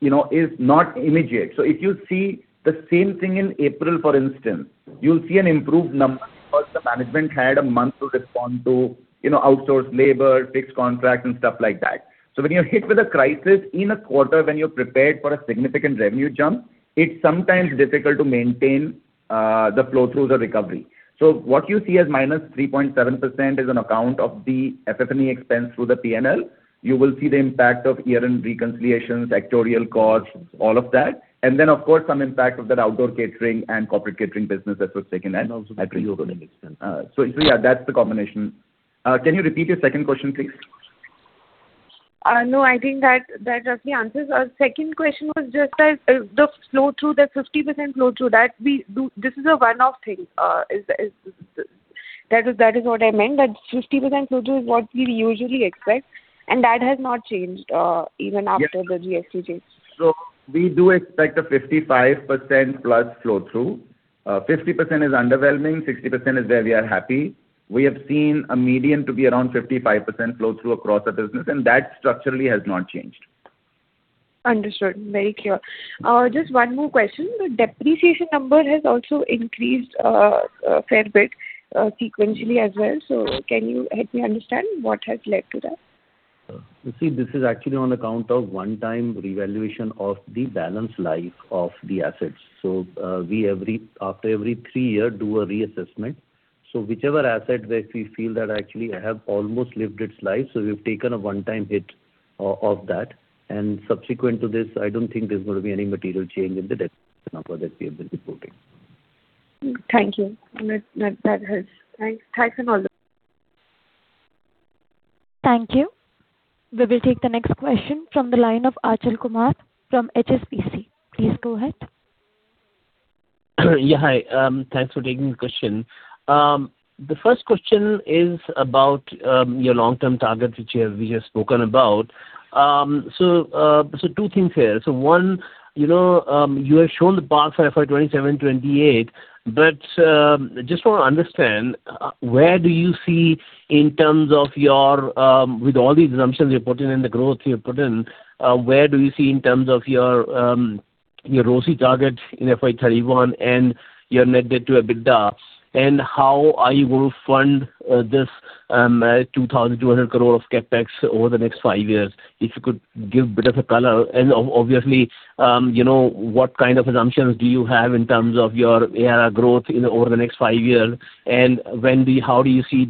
is not immediate. If you see the same thing in April, for instance, you'll see an improved number because the management had a month to respond to outsourced labor, fixed contract, and stuff like that. When you're hit with a crisis in a quarter when you're prepared for a significant revenue jump, it's sometimes difficult to maintain the flow through the recovery. What you see as -3.7% is on account of the FF&E expense through the P&L. You will see the impact of year-end reconciliations, actuarial costs, all of that. Then, of course, some impact of that outdoor catering and corporate catering business that was taken at. Also the pre-opening expense. Yeah, that's the combination. Can you repeat your second question, please? No, I think that roughly answers. Second question was just as the flow through, that 50% flow through, this is a one-off thing. That is what I meant. That 50% flow through is what we usually expect, and that has not changed even after the GST change. We do expect a 55%+ flow through. 50% is underwhelming, 60% is where we are happy. We have seen a median to be around 55% flow through across our business, and that structurally has not changed. Understood. Very clear. Just one more question. The depreciation number has also increased a fair bit sequentially as well. Can you help me understand what has led to that? You see, this is actually on account of one-time revaluation of the balance life of the assets. We, after every three years, do a reassessment. Whichever asset that we feel that actually have almost lived its life, so we've taken a one-time hit of that, and subsequent to this, I don't think there's going to be any material change in the depreciation number that we have been reporting. Thank you. That helps. Thanks. Thanks, all. Thank you. We will take the next question from the line of Achal Kumar from HSBC. Please go ahead. Hi. Thanks for taking the question. The first question is about your long-term target, which we have spoken about. Two things here. One, you have shown the path for FY 2027, 2028, but just want to understand, with all the assumptions you're putting in, the growth you have put in, where do you see in terms of your ROCE target in FY 2031 and your net debt to EBITDA? How are you will fund this 2,200 crore of CapEx over the next five years? If you could give a bit of a color. Obviously, what kind of assumptions do you have in terms of your ARR growth over the next five years, and how do you see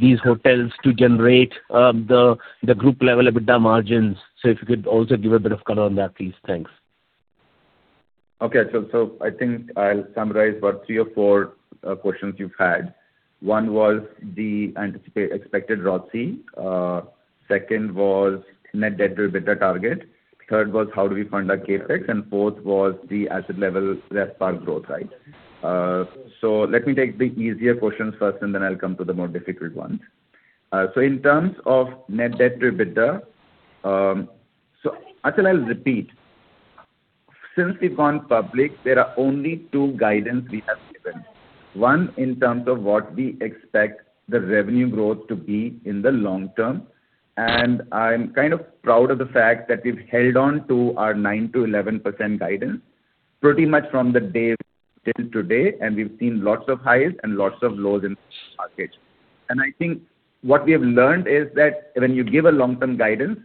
these hotels to generate the group-level EBITDA margins? If you could also give a bit of color on that, please. Thanks. Okay. I think I'll summarize about three or four questions you've had. One was the expected ROCE. Second was net debt to EBITDA target. Third was how do we fund our CapEx. Fourth was the asset level RevPAR growth. Let me take the easier questions first, then I'll come to the more difficult ones. In terms of net debt to EBITDA, Achal, I'll repeat. Since we've gone public, there are only two guidance we have given. One, in terms of what we expect the revenue growth to be in the long term, and I'm kind of proud of the fact that we've held on to our 9%-11% guidance pretty much from the day till today, and we've seen lots of highs and lots of lows in the market. I think what we have learned is that when you give a long-term guidance,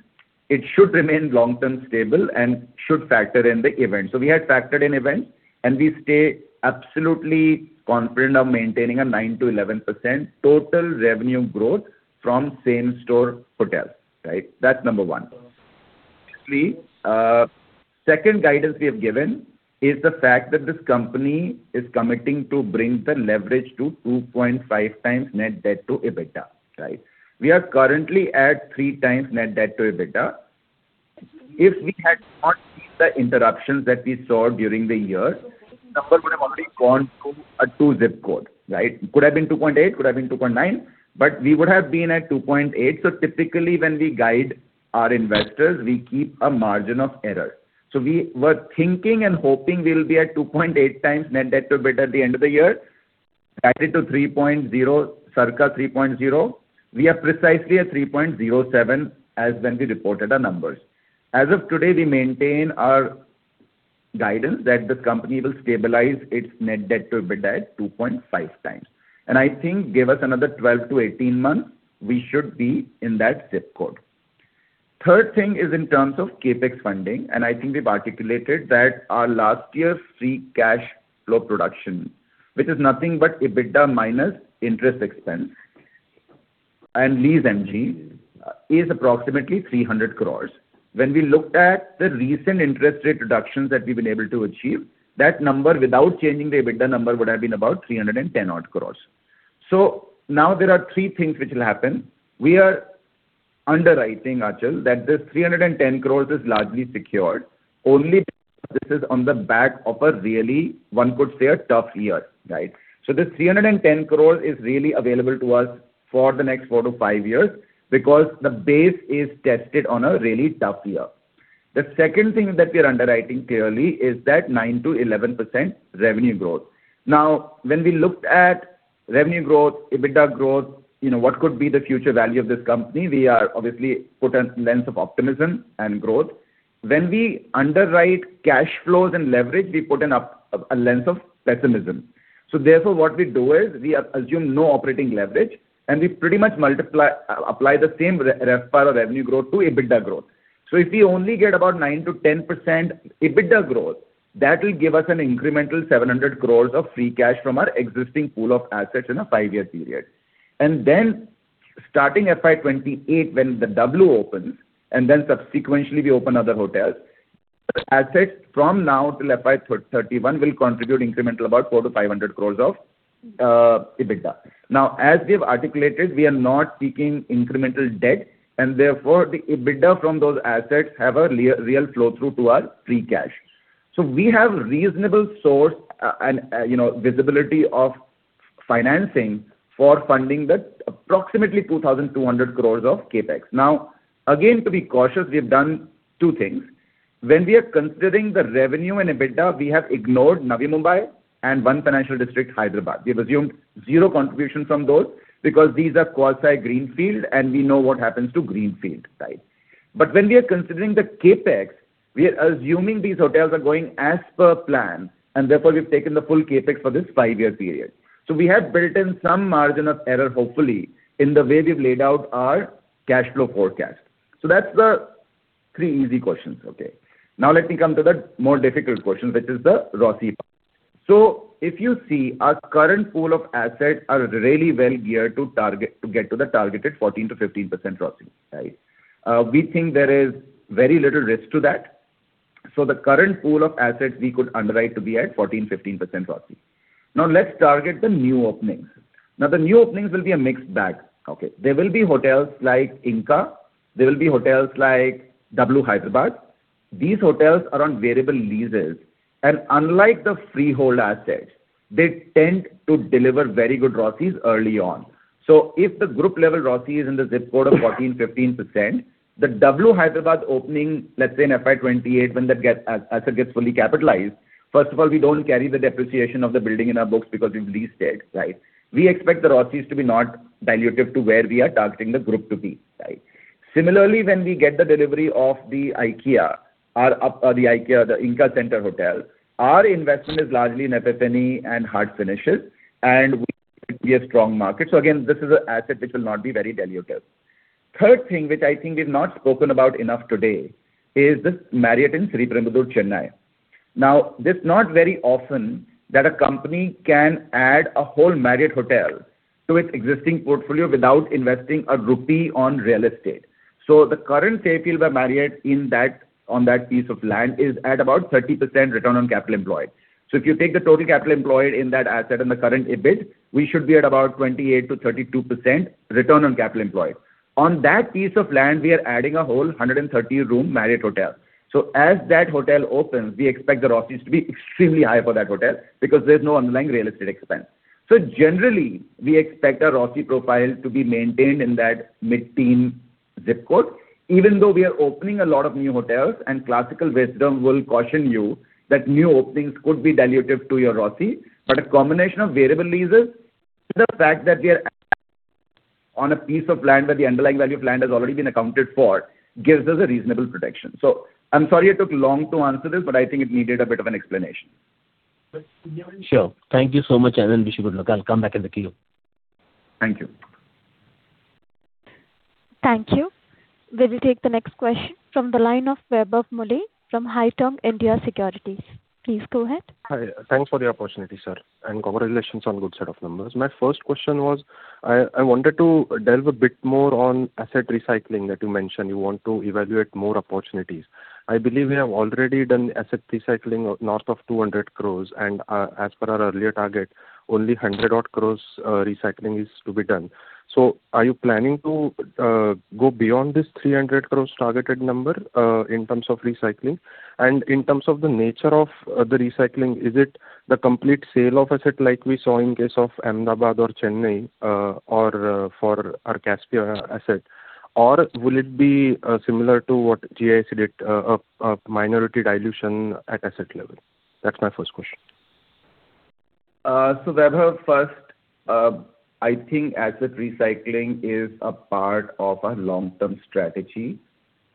it should remain long-term stable and should factor in the event. We had factored in events, and we stay absolutely confident of maintaining a 9%-11% total revenue growth from same store hotels. That is number one. Secondly, second guidance we have given is the fact that this company is committing to bring the leverage to 2.5x net debt to EBITDA. We are currently at 3x net debt to EBITDA. If we had not seen the interruptions that we saw during the year, this number would have already gone to a two ZIP code. Could have been 2.8, could have been 2.9, but we would have been at 2.8. Typically, when we guide our investors, we keep a margin of error. We were thinking and hoping we'll be at 2.8 times net debt to EBITDA at the end of the year. That is the circa 3.0. We are precisely at 3.07 as when we reported our numbers. As of today, we maintain our guidance that this company will stabilize its net debt to EBITDA at 2.5 times. I think give us another 12 to 18 months, we should be in that ZIP code. Third thing is in terms of CapEx funding, I think we've articulated that our last year's free cash flow production, which is nothing but EBITDA minus interest expense and lease MG, is approximately 300 crores. When we looked at the recent interest rate reductions that we've been able to achieve, that number, without changing the EBITDA number, would have been about 310 odd crores. Now there are three things which will happen. We are underwriting, Achal, that this 310 crore is largely secured only. This is on the back of a really, one could say, a tough year. This 310 crore is really available to us for the next four to five years because the base is tested on a really tough year. The second thing that we are underwriting clearly is that 9%-11% revenue growth. When we looked at revenue growth, EBITDA growth, what could be the future value of this company? We obviously put a lens of optimism and growth. When we underwrite cash flows and leverage, we put a lens of pessimism. Therefore, what we do is, we assume no operating leverage, and we pretty much apply the same RevPAR or revenue growth to EBITDA growth. If we only get about 9%-10% EBITDA growth, that will give us an incremental 700 crores of free cash from our existing pool of assets in a five-year period. Then starting FY 2028, when the W opens, and then subsequently we open other hotels, the assets from now till FY 2031 will contribute incremental about 400-500 crores of EBITDA. As we have articulated, we are not seeking incremental debt, and therefore the EBITDA from those assets have a real flow-through to our free cash. We have reasonable source and visibility of financing for funding the approximately 2,200 crores of CapEx. Again, to be cautious, we have done two things. When we are considering the revenue and EBITDA, we have ignored Navi Mumbai and One Financial District Hyderabad. We have assumed zero contribution from those because these are quasi-greenfield, and we know what happens to greenfield. When we are considering the CapEx, we are assuming these hotels are going as per plan, and therefore we've taken the full CapEx for this five year period. We have built in some margin of error, hopefully, in the way we've laid out our cash flow forecast. That's the three easy questions. Okay. Now let me come to the more difficult question, which is the ROCE part. If you see, our current pool of assets are really well geared to get to the targeted 14%-15% ROCE. We think there is very little risk to that. The current pool of assets we could underwrite to be at 14%, 15% ROCE. Now let's target the new openings. Now, the new openings will be a mixed bag. There will be hotels like Ingka, there will be hotels like W Hyderabad. These hotels are on variable leases, and unlike the freehold assets, they tend to deliver very good ROCEs early on. If the group-level ROCE is in the zip code of 14%, 15%, the W Hyderabad opening, let's say in FY 2028, when the asset gets fully capitalized. First of all, we don't carry the depreciation of the building in our books because we've leased it. We expect the ROCEs to be not dilutive to where we are targeting the group to be. Similarly, when we get the delivery of the Ingka, the Ingka Centre hotel, our investment is largely in FF&E and hard finishes, and we have strong markets. Again, this is an asset which will not be very dilutive. Third thing, which I think we've not spoken about enough today, is this Marriott in Sriperumbudur, Chennai. It's not very often that a company can add a whole Marriott hotel to its existing portfolio without investing a rupee on real estate. The current tape deal by Marriott on that piece of land is at about 30% return on capital employed. If you take the total capital employed in that asset and the current EBIT, we should be at about 28%-32% return on capital employed. On that piece of land, we are adding a whole 130-room Marriott hotel. As that hotel opens, we expect the ROCEs to be extremely high for that hotel because there's no underlying real estate expense. Generally, we expect our ROCE profile to be maintained in that mid-teen zip code, even though we are opening a lot of new hotels. Classical wisdom will caution you that new openings could be dilutive to your ROCE. A combination of variable leases, the fact that we are on a piece of land where the underlying value of land has already been accounted for, gives us a reasonable protection. I'm sorry I took long to answer this, but I think it needed a bit of an explanation. Sure. Thank you so much, and wish you good luck. I'll come back in the queue. Thank you. Thank you. We will take the next question from the line of Vaibhav Mulay from Haitong India Securities. Please go ahead. Hi. Thanks for the opportunity, sir. Congratulations on good set of numbers. My first question was, I wanted to delve a bit more on asset recycling that you mentioned. You want to evaluate more opportunities. I believe you have already done asset recycling north of 200 crore, and as per our earlier target, only 100 crore odd recycling is to be done. Are you planning to go beyond this 300 crore targeted number in terms of recycling? In terms of the nature of the recycling, is it the complete sale of asset like we saw in case of Ahmedabad or Chennai, or for our Caspia asset, or will it be similar to what GIC did, a minority dilution at asset level? That's my first question. Vaibhav, first, I think asset recycling is a part of our long-term strategy,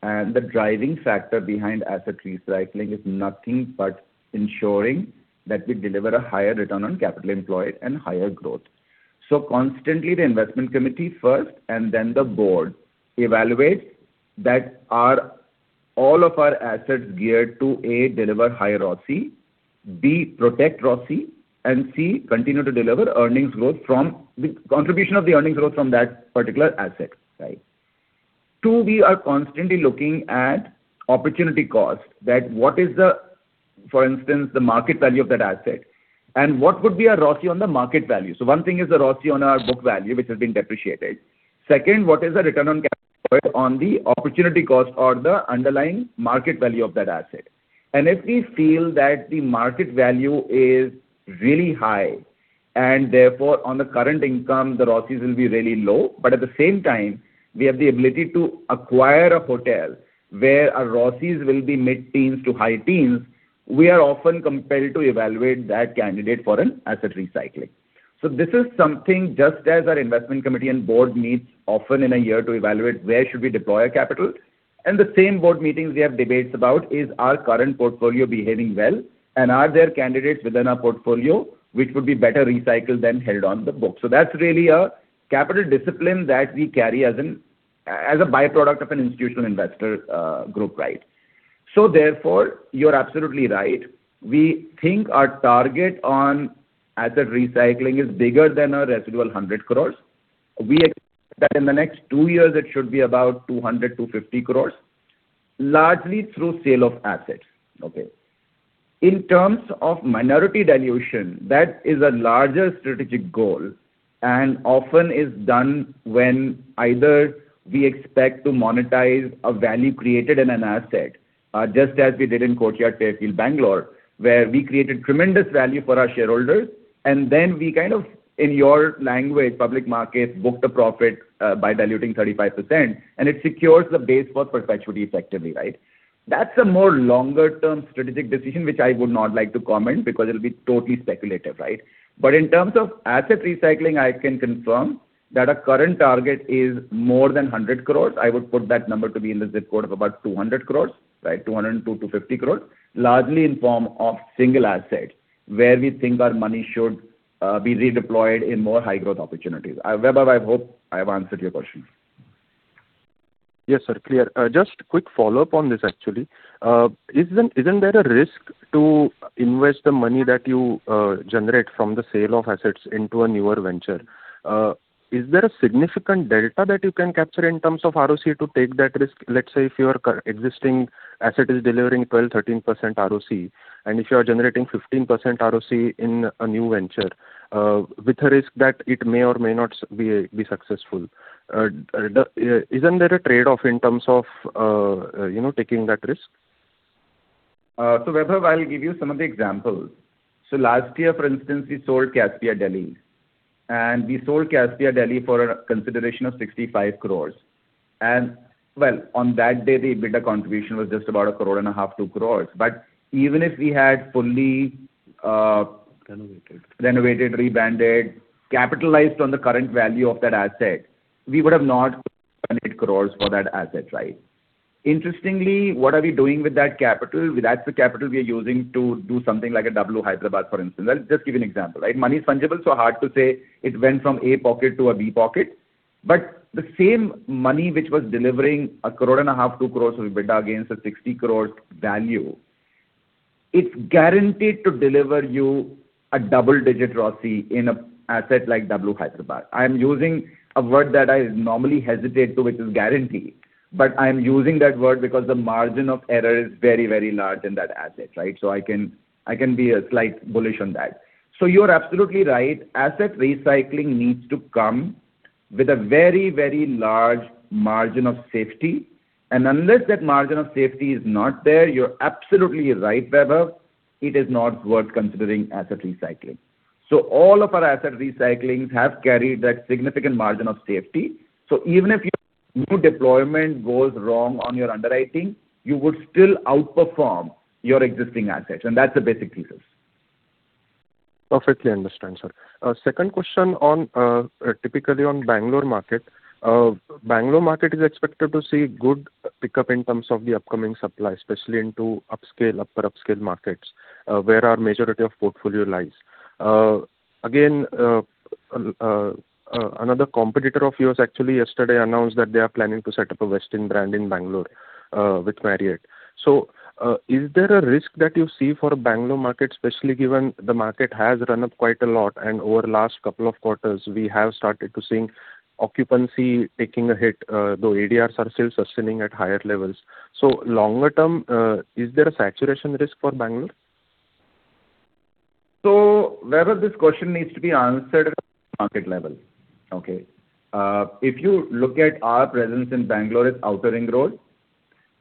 and the driving factor behind asset recycling is nothing but ensuring that we deliver a higher return on capital employed and higher growth. Constantly, the investment committee first and then the board evaluate that all of our assets geared to, A, deliver high ROCE, B, protect ROCE, and C, continue to deliver contribution of the earnings growth from that particular asset. Two, we are constantly looking at opportunity cost. That what is the, for instance, the market value of that asset, and what would be our ROCE on the market value? One thing is the ROCE on our book value, which has been depreciated. Two, what is the return on capital employed on the opportunity cost or the underlying market value of that asset? If we feel that the market value is really high and therefore on the current income, the ROCEs will be really low, but at the same time, we have the ability to acquire a hotel where our ROCEs will be mid-teens to high teens, we are often compelled to evaluate that candidate for an asset recycling. This is something just as our investment committee and board meets often in a year to evaluate where should we deploy our capital, and the same board meetings we have debates about is our current portfolio behaving well, and are there candidates within our portfolio which would be better recycled than held on the book? That's really a capital discipline that we carry as a byproduct of an institutional investor group. Therefore, you're absolutely right. We think our target on asset recycling is bigger than our residual 100 crores. We expect that in the next two years, it should be about 200 crore-250 crore, largely through sale of assets. In terms of minority dilution, that is a larger strategic goal and often is done when either we expect to monetize a value created in an asset, just as we did in Courtyard, Fairfield, Bangalore, where we created tremendous value for our shareholders, and then we kind of, in your language, public markets, booked a profit by diluting 35%, and it secures the base for perpetuity effectively. That's a more longer-term strategic decision, which I would not like to comment because it'll be totally speculative. In terms of asset recycling, I can confirm that our current target is more than 100 crore. I would put that number to be in the zip code of about 200 crores, 200 crores-250 crores, largely in form of single assets where we think our money should be redeployed in more high-growth opportunities. Vaibhav, I hope I have answered your question. Yes, sir. Clear. Just quick follow-up on this, actually. Isn't there a risk to invest the money that you generate from the sale of assets into a newer venture? Is there a significant delta that you can capture in terms of ROC to take that risk? Let's say if your existing asset is delivering 12%-13% ROC, and if you are generating 15% ROC in a new venture, with a risk that it may or may not be successful. Isn't there a trade-off in terms of taking that risk? Vaibhav, I'll give you some of the examples. Last year, for instance, we sold Caspia Delhi, and we sold Caspia Delhi for a consideration of 65 crores. Well, on that day, the EBITDA contribution was just about INR a crore and a half, 2 crores. Renovated Renovated, rebranded, capitalized on the current value of that asset, we would have not 100 crores for that asset. Interestingly, what are we doing with that capital? That's the capital we are using to do something like a W Hyderabad, for instance. I'll just give you an example. Money is fungible, so hard to say it went from A pocket to a B pocket. The same money which was delivering 1.5 crores, 2 crores of EBITDA against a 60 crore value, it's guaranteed to deliver you a double-digit ROCE in an asset like W Hyderabad. I'm using a word that I normally hesitate to, which is guarantee. I'm using that word because the margin of error is very large in that asset. I can be a slight bullish on that. You're absolutely right, asset recycling needs to come with a very large margin of safety. Unless that margin of safety is not there, you're absolutely right, Vaibhav. It is not worth considering asset recycling. All of our asset recyclings have carried that significant margin of safety. Even if your new deployment goes wrong on your underwriting, you would still outperform your existing assets, and that's the basic thesis. Perfectly understand, sir. Second question typically on Bangalore market. Bangalore market is expected to see good pickup in terms of the upcoming supply, especially into upscale, upper upscale markets, where our majority of portfolio lies. Again, another competitor of yours actually yesterday announced that they are planning to set up a Westin brand in Bangalore, with Marriott. Is there a risk that you see for a Bangalore market, especially given the market has run up quite a lot, and over the last couple of quarters, we have started to seeing occupancy taking a hit, though ADRs are still sustaining at higher levels. Longer term, is there a saturation risk for Bangalore? Vaibhav, this question needs to be answered at market level. If you look at our presence in Bangalore, it's Outer Ring Road,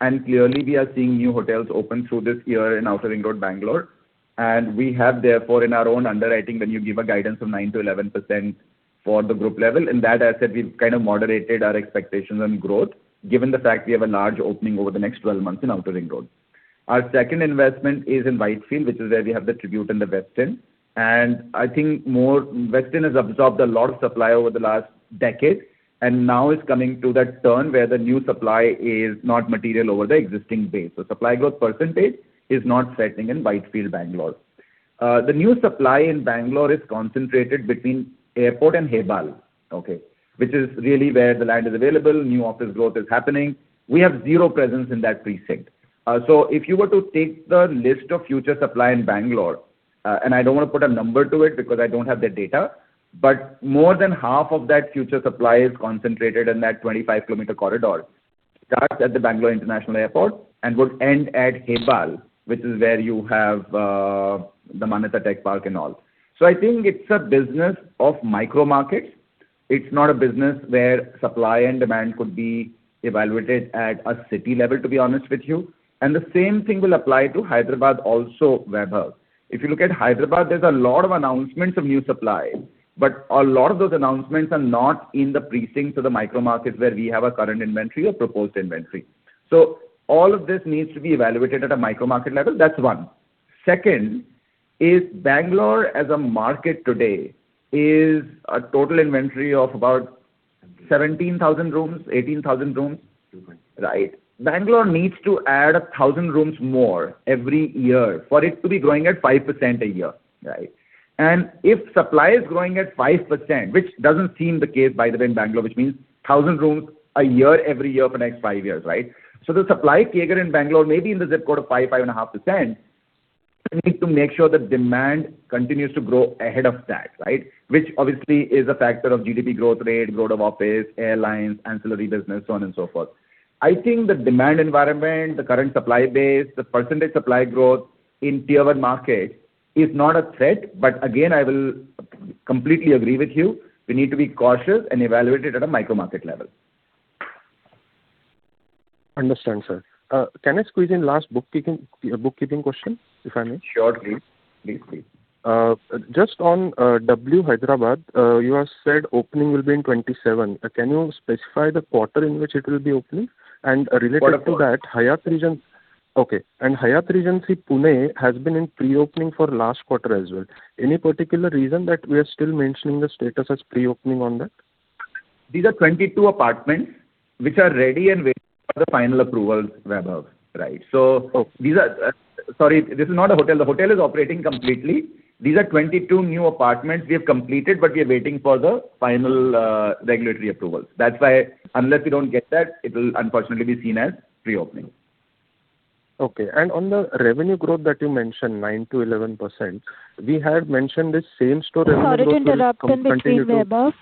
and clearly we are seeing new hotels open through this year in Outer Ring Road, Bangalore. We have, therefore, in our own underwriting, when you give a guidance of 9%-11% for the group level. In that asset, we've kind of moderated our expectations on growth, given the fact we have a large opening over the next 12 months in Outer Ring Road. Our second investment is in Whitefield, which is where we have the Tribute and the Westin. I think Westin has absorbed a lot of supply over the last decade, and now is coming to that turn where the new supply is not material over the existing base. Supply growth percentage is not setting in Whitefield, Bangalore. The new supply in Bangalore is concentrated between airport and Hebbal. Which is really where the land is available, new office growth is happening. We have zero presence in that precinct. If you were to take the list of future supply in Bangalore, and I don't want to put a number to it because I don't have the data, but more than half of that future supply is concentrated in that 25-kilometer corridor. Start at the Bangalore International Airport and would end at Hebbal, which is where you have the Manyata Tech Park and all. I think it's a business of micro markets. It's not a business where supply and demand could be evaluated at a city level, to be honest with you. The same thing will apply to Hyderabad also, Vaibhav. If you look at Hyderabad, there's a lot of announcements of new supply, but a lot of those announcements are not in the precincts of the micro markets where we have a current inventory or proposed inventory. All of this needs to be evaluated at a micro market level. That's one. Second is Bangalore as a market today is a total inventory of about- 17,000 17,000 rooms, 18,000 rooms. INR 200. Right. Bangalore needs to add 1,000 rooms more every year for it to be growing at 5% a year. Right. If supply is growing at 5%, which doesn't seem the case, by the way, in Bangalore, which means 1,000 rooms a year every year for the next five years. Right. The supply CAGR in Bangalore may be in the zip code of 5.5%, we need to make sure that demand continues to grow ahead of that. Right. Which obviously is a factor of GDP growth rate, growth of office, airlines, ancillary business, so on and so forth. I think the demand environment, the current supply base, the percentage supply growth in Tier 1 market is not a threat. Again, I will completely agree with you. We need to be cautious and evaluate it at a micro market level. Understand, sir. Can I squeeze in last bookkeeping question, if I may? Sure, please. Just on W Hyderabad, you have said opening will be in 2027. Can you specify the quarter in which it will be opening? What quarter? To that, Hyatt Regency. Okay. Hyatt Regency Pune has been in pre-opening for last quarter as well. Any particular reason that we are still mentioning the status as pre-opening on that? These are 22 apartments which are ready and waiting for the final approval, Vaibhav. Right. Sorry, this is not a hotel. The hotel is operating completely. These are 22 new apartments we have completed, we are waiting for the final regulatory approval. That's why unless we don't get that, it will unfortunately be seen as pre-opening. Okay. On the revenue growth that you mentioned, 9%-11%, we had mentioned this same-store revenue growth will continue. Sorry to interrupt in between, Vaibhav.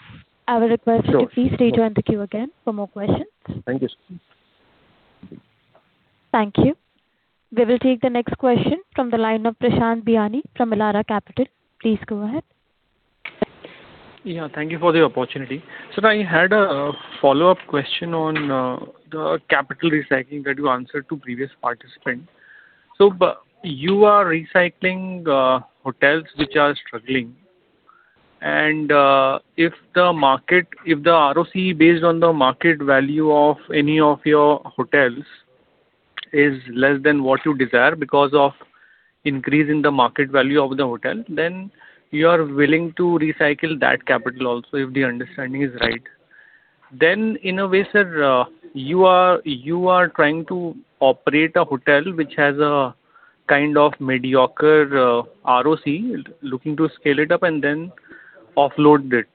I would request you to please stay on the queue again for more questions. Thank you. Thank you. We will take the next question from the line of Prashant Biyani from Elara Capital. Please go ahead. Yeah, thank you for the opportunity. Sir, I had a follow-up question on the capital recycling that you answered to previous participant. You are recycling hotels which are struggling. If the ROC based on the market value of any of your hotels is less than what you desire because of increase in the market value of the hotel, then you are willing to recycle that capital also, if the understanding is right. In a way, sir, you are trying to operate a hotel which has a kind of mediocre ROC, looking to scale it up and then offload it.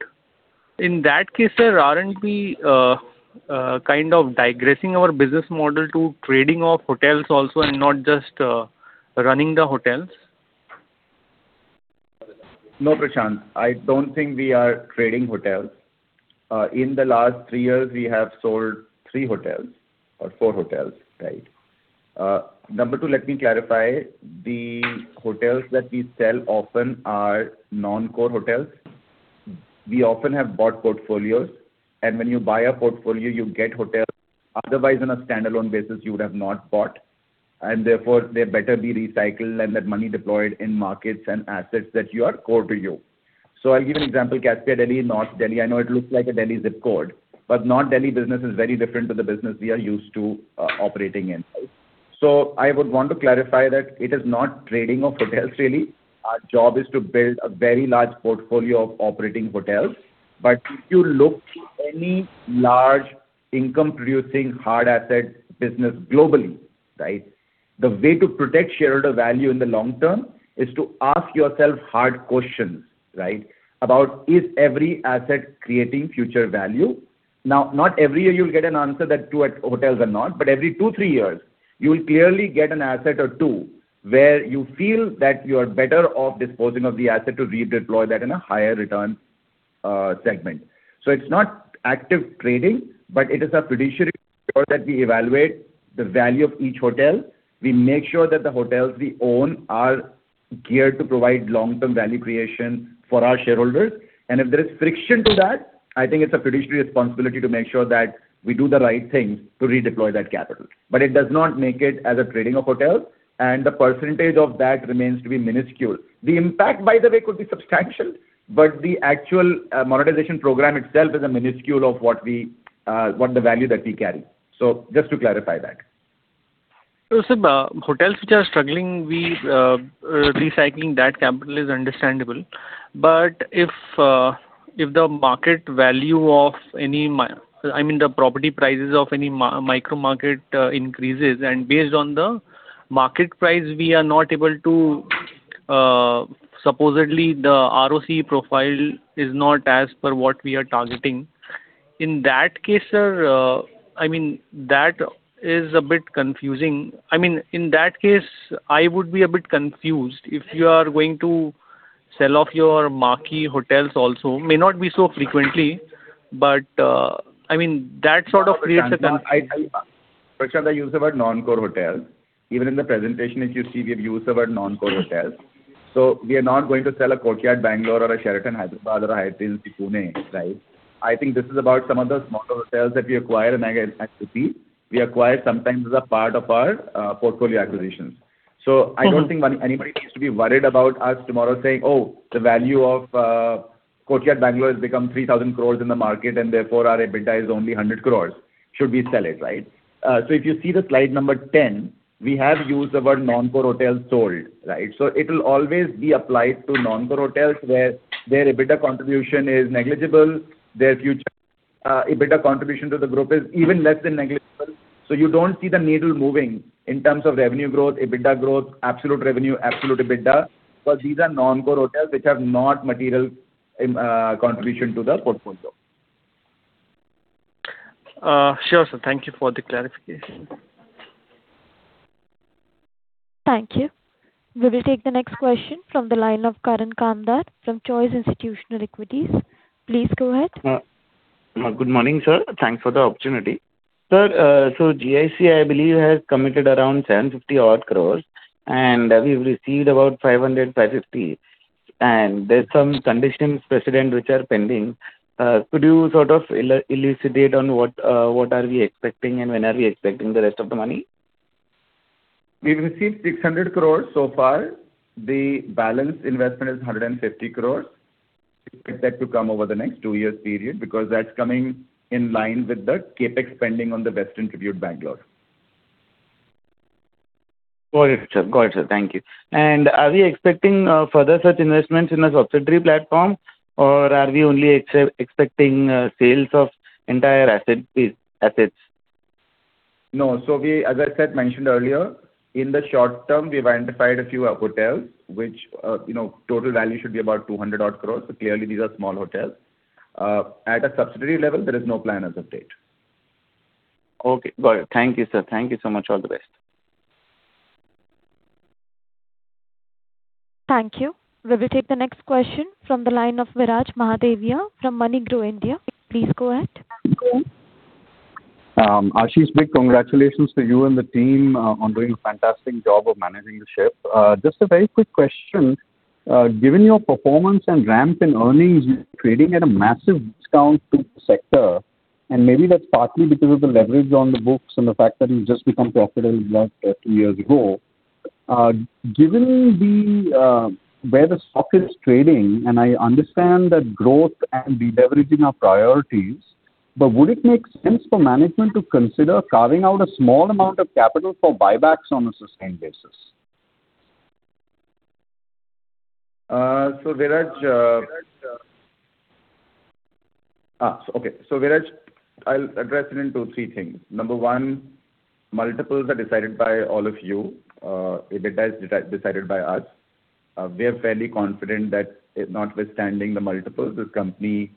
In that case, sir, aren't we kind of digressing our business model to trading off hotels also and not just running the hotels? No, Prashant. I don't think we are trading hotels. In the last three years, we have sold three hotels or four hotels. Right? Number two, let me clarify. The hotels that we sell often are non-core hotels. We often have bought portfolios. When you buy a portfolio, you get hotels. Otherwise, on a standalone basis, you would have not bought. Therefore, they better be recycled and that money deployed in markets and assets that are core to you. I'll give you an example. Caspia Delhi, North Delhi. I know it looks like a Delhi zip code. North Delhi business is very different to the business we are used to operating in. I would want to clarify that it is not trading of hotels really. Our job is to build a very large portfolio of operating hotels. If you look to any large income-producing hard asset business globally, the way to protect shareholder value in the long term is to ask yourself hard questions about is every asset creating future value. Now, not every year you'll get an answer that two hotels are not, but every two, three years, you will clearly get an asset or two where you feel that you are better off disposing of the asset to redeploy that in a higher return segment. It's not active trading, but it is a fiduciary that we evaluate the value of each hotel. We make sure that the hotels we own are geared to provide long-term value creation for our shareholders. If there is friction to that, I think it's a fiduciary responsibility to make sure that we do the right thing to redeploy that capital. It does not make it as a trading of hotels, and the percentage of that remains to be minuscule. The impact, by the way, could be substantial, but the actual monetization program itself is a minuscule of what the value that we carry. Just to clarify that. Sir, hotels which are struggling, recycling that capital is understandable. If the market value of any, I mean, the property prices of any micro market increases, and based on the market price, we are not able to, supposedly the ROC profile is not as per what we are targeting. In that case, sir, that is a bit confusing. In that case, I would be a bit confused if you are going to sell off your marquee hotels also may not be so frequently. Prashant, I use the word non-core hotels. Even in the presentation, if you see, we have used the word non-core hotels. We are not going to sell a Courtyard by Marriott Bangalore or a Sheraton Hyderabad Hotel or a Hyatt Regency Pune. I think this is about some of the smaller hotels that we acquire in AGIC. We acquire sometimes as a part of our portfolio acquisitions. I don't think anybody needs to be worried about us tomorrow saying, "Oh, the value of Courtyard by Marriott Bangalore has become 3,000 crore in the market, and therefore our EBITDA is only 100 crore, should we sell it?" If you see the slide 10, we have used the word non-core hotels sold. It will always be applied to non-core hotels where their EBITDA contribution is negligible, their future EBITDA contribution to the group is even less than negligible. You don't see the needle moving in terms of revenue growth, EBITDA growth, absolute revenue, absolute EBITDA because these are non-core hotels which have no material contribution to the portfolio. Sure, sir. Thank you for the clarification. Thank you. We will take the next question from the line of Karan Kamdar from Choice Institutional Equities. Please go ahead. Good morning, sir. Thanks for the opportunity. Sir, GIC, I believe, has committed around 750 odd crores, and we've received about 500 crores, 550 crores. There's some conditions precedent which are pending. Could you sort of elucidate on what are we expecting and when are we expecting the rest of the money? We've received 600 crore so far. The balance investment is 150 crore. We expect that to come over the next two years period because that's coming in line with the CapEx spending on the Westin Tribute Bengaluru. Got it, sir. Thank you. Are we expecting further such investments in a subsidiary platform or are we only expecting sales of entire assets? No. As I mentioned earlier, in the short term, we've identified a few hotels, which total value should be about 200 odd crores. Clearly these are small hotels. At a subsidiary level, there is no plan as of date. Okay, got it. Thank you, sir. Thank you so much. All the best. Thank you. We will take the next question from the line of Viraj Mahadevia from MoneyGrow India. Please go ahead. Ashish, big congratulations to you and the team on doing a fantastic job of managing the ship. Just a very quick question. Given your performance and ramp in earnings trading at a massive discount to sector, and maybe that's partly because of the leverage on the books and the fact that you've just become profitable two years ago. Given where the stock is trading, and I understand that growth and deleveraging are priorities, but would it make sense for management to consider carving out a small amount of capital for buybacks on a sustained basis? Viraj, I'll address it in two, three things. Number one, multiples are decided by all of you. EBITDA is decided by us. We are fairly confident that notwithstanding the multiples, this company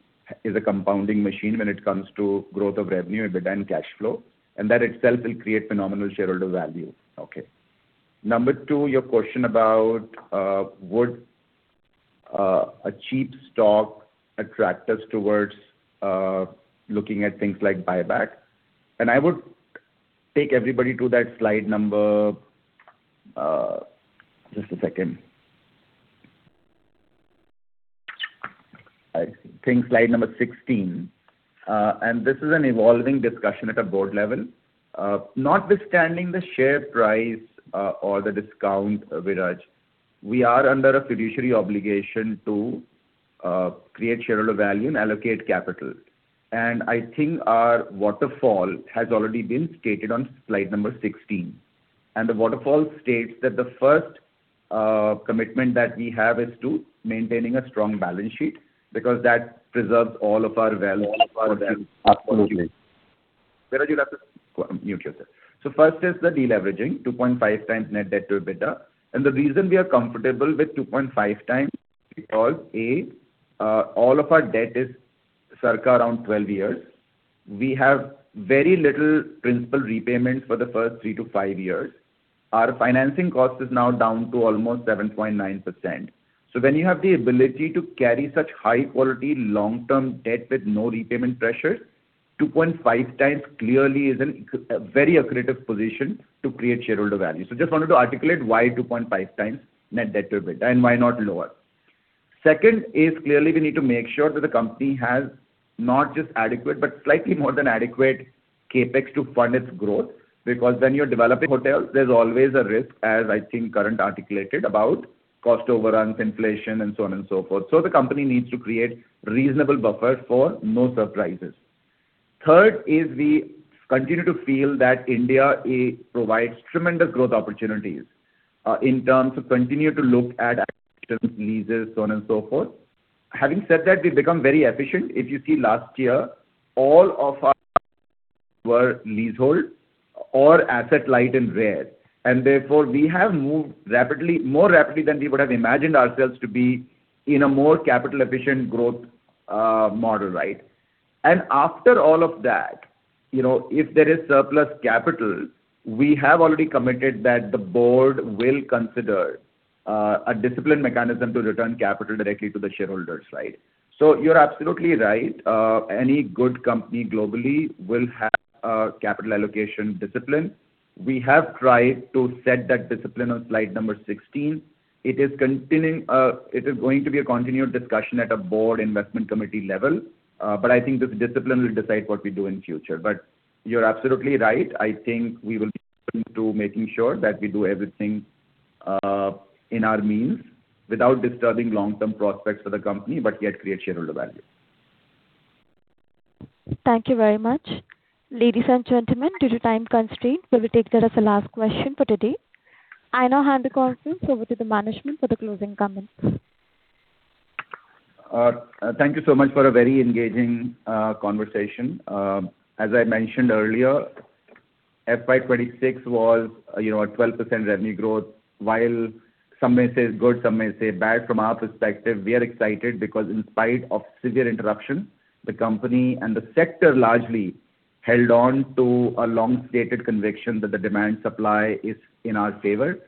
is a compounding machine when it comes to growth of revenue, EBITDA, and cash flow, and that itself will create phenomenal shareholder value. Okay. Number two, your question about would a cheap stock attract us towards looking at things like buyback. I would take everybody to that slide number. Just a second. I think slide number 16. This is an evolving discussion at a board level. Notwithstanding the share price or the discount, Viraj, we are under a fiduciary obligation to create shareholder value and allocate capital. I think our waterfall has already been stated on slide number 16. The waterfall states that the first commitment that we have is to maintaining a strong balance sheet because that preserves all of our value. Absolutely. Viraj, you'll have to mute yourself. First is the deleveraging, 2.5x net debt to EBITDA. The reason we are comfortable with 2.5x is because A, all of our debt is circa around 12 years. We have very little principal repayment for the first three to five years. Our financing cost is now down to almost 7.9%. When you have the ability to carry such high-quality long-term debt with no repayment pressure, 2.5x clearly is a very accretive position to create shareholder value. Just wanted to articulate why 2.5x net debt to EBITDA and why not lower. Second is clearly we need to make sure that the company has not just adequate but slightly more than adequate CapEx to fund its growth because when you're developing hotels, there's always a risk, as I think Karan articulated about cost overruns, inflation, and so on and so forth. The company needs to create reasonable buffers for no surprises. Third is we continue to feel that India provides tremendous growth opportunities in terms of continue to look at leases, so on and so forth. Having said that, we've become very efficient. If you see last year, all of our were leasehold or asset light and rare. Therefore, we have moved more rapidly than we would have imagined ourselves to be in a more capital-efficient growth model. After all of that, if there is surplus capital, we have already committed that the board will consider a discipline mechanism to return capital directly to the shareholders. You're absolutely right. Any good company globally will have a capital allocation discipline. We have tried to set that discipline on slide number 16. It is going to be a continued discussion at a board investment committee level, but I think the discipline will decide what we do in future. You're absolutely right. I think we will be committed to making sure that we do everything in our means without disturbing long-term prospects for the company, but yet create shareholder value. Thank you very much. Ladies and gentlemen, due to time constraint, we will take that as the last question for today. I now hand the conference over to the management for the closing comments. Thank you so much for a very engaging conversation. As I mentioned earlier, FY 2026 was a 12% revenue growth. While some may say it's good, some may say bad. From our perspective, we are excited because in spite of severe interruption, the company and the sector largely held on to a long-stated conviction that the demand-supply is in our favor.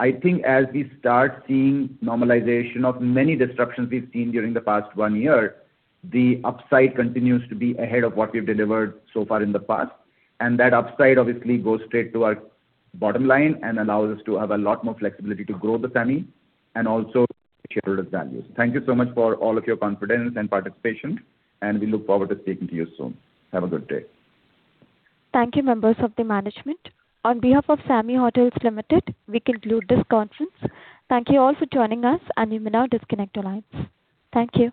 I think as we start seeing normalization of many disruptions we've seen during the past one year, the upside continues to be ahead of what we've delivered so far in the past, and that upside obviously goes straight to our bottom line and allows us to have a lot more flexibility to grow the SAMHI and also shareholder value. Thank you so much for all of your confidence and participation, and we look forward to speaking to you soon. Have a good day. Thank you, members of the management. On behalf of SAMHI Hotels Limited, we conclude this conference. Thank you all for joining us, and you may now disconnect your lines. Thank you.